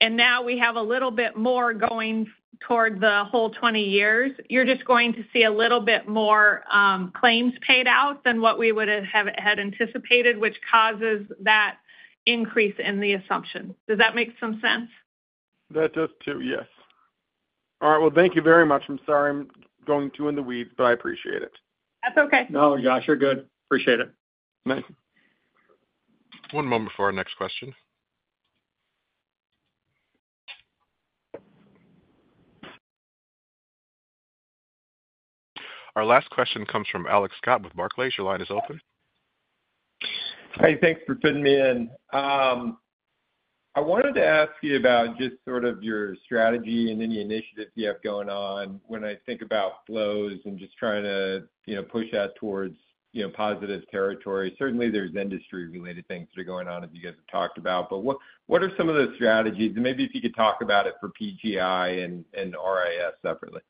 and now we have a little bit more going toward the whole twenty years, you're just going to see a little bit more claims paid out than what we would have had anticipated, which causes that increase in the assumption. Does that make some sense? That does too, yes. All right, well, thank you very much. I'm sorry, I'm going too deep in the weeds, but I appreciate it. That's okay. No, Josh, you're good. Appreciate it. Thanks. One moment before our next question. Our last question comes from Alex Scott with Barclays. Your line is open. Hey, thanks for fitting me in. I wanted to ask you about just sort of your strategy and any initiatives you have going on when I think about flows and just trying to, you know, push that towards, you know, positive territory. Certainly, there's industry-related things that are going on, as you guys have talked about, but what are some of the strategies? And maybe if you could talk about it for PGI and RIS separately.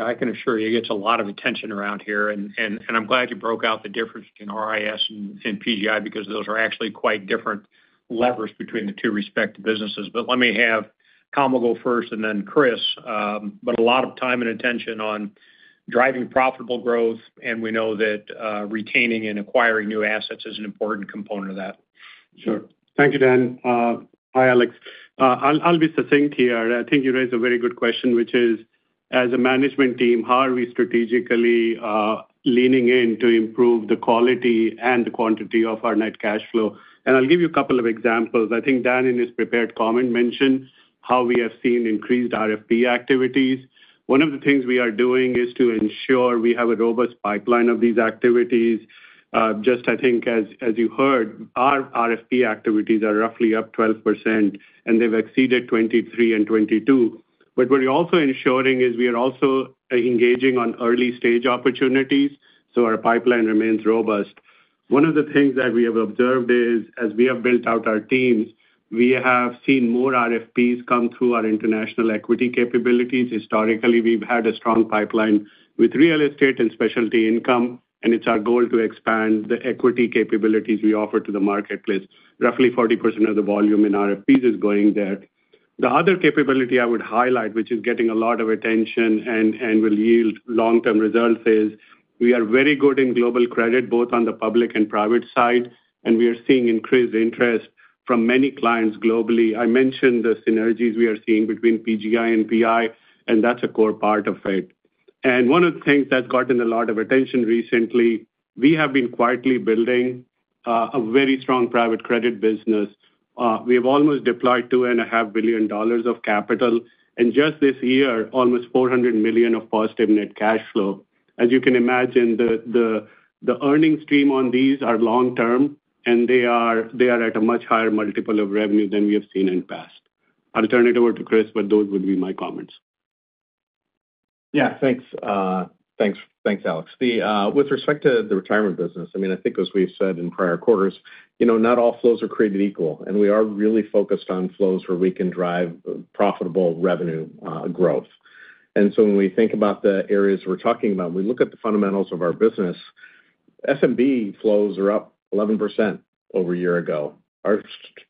I can assure you, it gets a lot of attention around here, and I'm glad you broke out the difference between RIS and PGI, because those are actually quite different levers between the two respective businesses. But let me have Kamal go first and then Chris, but a lot of time and attention on driving profitable growth, and we know that retaining and acquiring new assets is an important component of that. Sure. Thank you, Dan. Hi, Alex. I'll be succinct here. I think you raised a very good question, which is, as a management team, how are we strategically leaning in to improve the quality and the quantity of our net cash flow? And I'll give you a couple of examples. I think Dan, in his prepared comment, mentioned how we have seen increased RFP activities. One of the things we are doing is to ensure we have a robust pipeline of these activities. Just, I think, as you heard, our RFP activities are roughly up 12%, and they've exceeded 2023 and 2022. But what we're also ensuring is we are also engaging on early stage opportunities, so our pipeline remains robust. One of the things that we have observed is, as we have built out our teams, we have seen more RFPs come through our international equity capabilities. Historically, we've had a strong pipeline with real estate and specialty income, and it's our goal to expand the equity capabilities we offer to the marketplace. Roughly 40% of the volume in RFPs is going there. The other capability I would highlight, which is getting a lot of attention and will yield long-term results, is we are very good in global credit, both on the public and private side, and we are seeing increased interest from many clients globally. I mentioned the synergies we are seeing between PGI and PI, and that's a core part of it. One of the things that's gotten a lot of attention recently, we have been quietly building a very strong private credit business. We have almost deployed $2.5 billion of capital, and just this year, almost $400 million of positive net cash flow. As you can imagine, the earnings stream on these are long term, and they are at a much higher multiple of revenue than we have seen in the past. I'll turn it over to Chris, but those would be my comments. Yeah, thanks, Alex. With respect to the retirement business, I mean, I think as we've said in prior quarters, you know, not all flows are created equal, and we are really focused on flows where we can drive profitable revenue growth. And so when we think about the areas we're talking about, we look at the fundamentals of our business. SMB flows are up 11% over a year ago. Our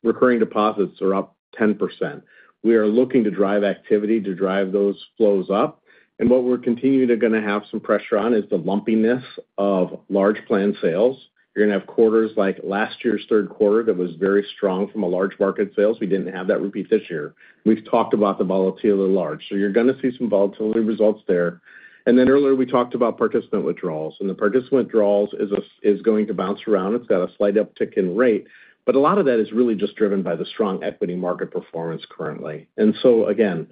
recurring deposits are up 10%. We are looking to drive activity to drive those flows up, and what we're continuing to gonna have some pressure on is the lumpiness of large plan sales. You're gonna have quarters like last year's third quarter that was very strong from large plan sales. We didn't have that repeat this year. We've talked about the volatility of the large, so you're gonna see some volatility results there. And then earlier, we talked about participant withdrawals, and the participant withdrawals is going to bounce around. It's got a slight uptick in rate, but a lot of that is really just driven by the strong equity market performance currently. And so again,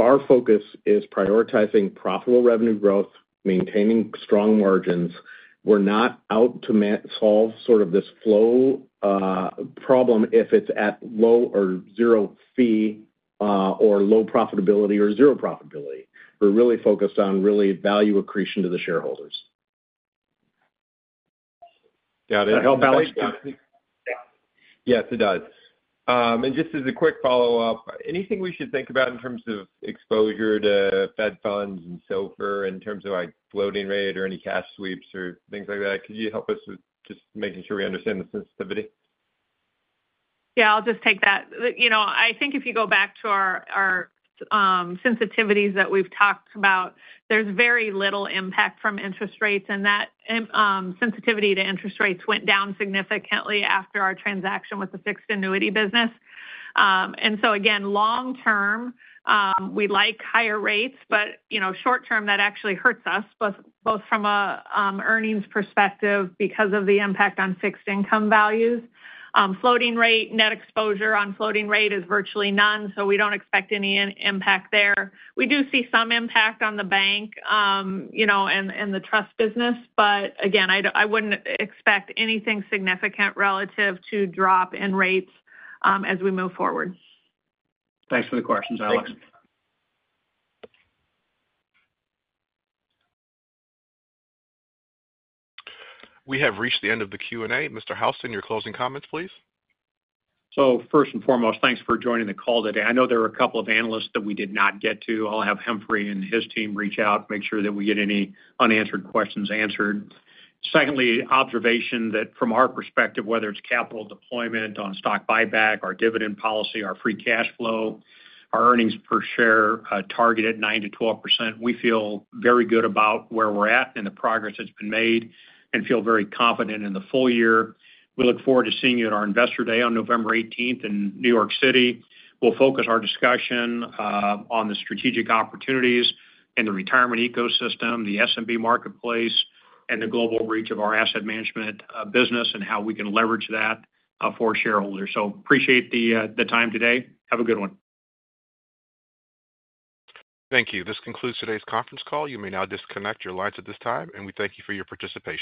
our focus is prioritizing profitable revenue growth, maintaining strong margins. We're not out to solve sort of this flow problem if it's at low or zero fee or low profitability or zero profitability. We're really focused on really value accretion to the shareholders. Got it. Alex? Yes, it does, and just as a quick follow-up, anything we should think about in terms of exposure to Fed funds and SOFR in terms of, like, floating rate or any cash sweeps or things like that? Could you help us with just making sure we understand the sensitivity? Yeah, I'll just take that. You know, I think if you go back to our sensitivities that we've talked about, there's very little impact from interest rates, and that sensitivity to interest rates went down significantly after our transaction with the fixed annuity business. And so again, long term, we like higher rates, but you know, short term, that actually hurts us, both from a earnings perspective because of the impact on fixed income values. Floating rate net exposure on floating rate is virtually none, so we don't expect any impact there. We do see some impact on the bank, you know, and the trust business, but again, I wouldn't expect anything significant relative to drop in rates, as we move forward. Thanks for the questions, Alex. Thanks. We have reached the end of the Q&A. Mr. Houston, your closing comments, please. So first and foremost, thanks for joining the call today. I know there are a couple of analysts that we did not get to. I'll have Humphrey and his team reach out, make sure that we get any unanswered questions answered. Secondly, observation that from our perspective, whether it's capital deployment on stock buyback, our dividend policy, our free cash flow, our earnings per share target at 9%-12%, we feel very good about where we're at and the progress that's been made and feel very confident in the full year. We look forward to seeing you at our Investor Day on November eighteenth in New York City. We'll focus our discussion on the strategic opportunities in the retirement ecosystem, the SMB marketplace, and the global reach of our asset management business, and how we can leverage that for shareholders. So, appreciate the time today. Have a good one. Thank you. This concludes today's conference call. You may now disconnect your lines at this time, and we thank you for your participation.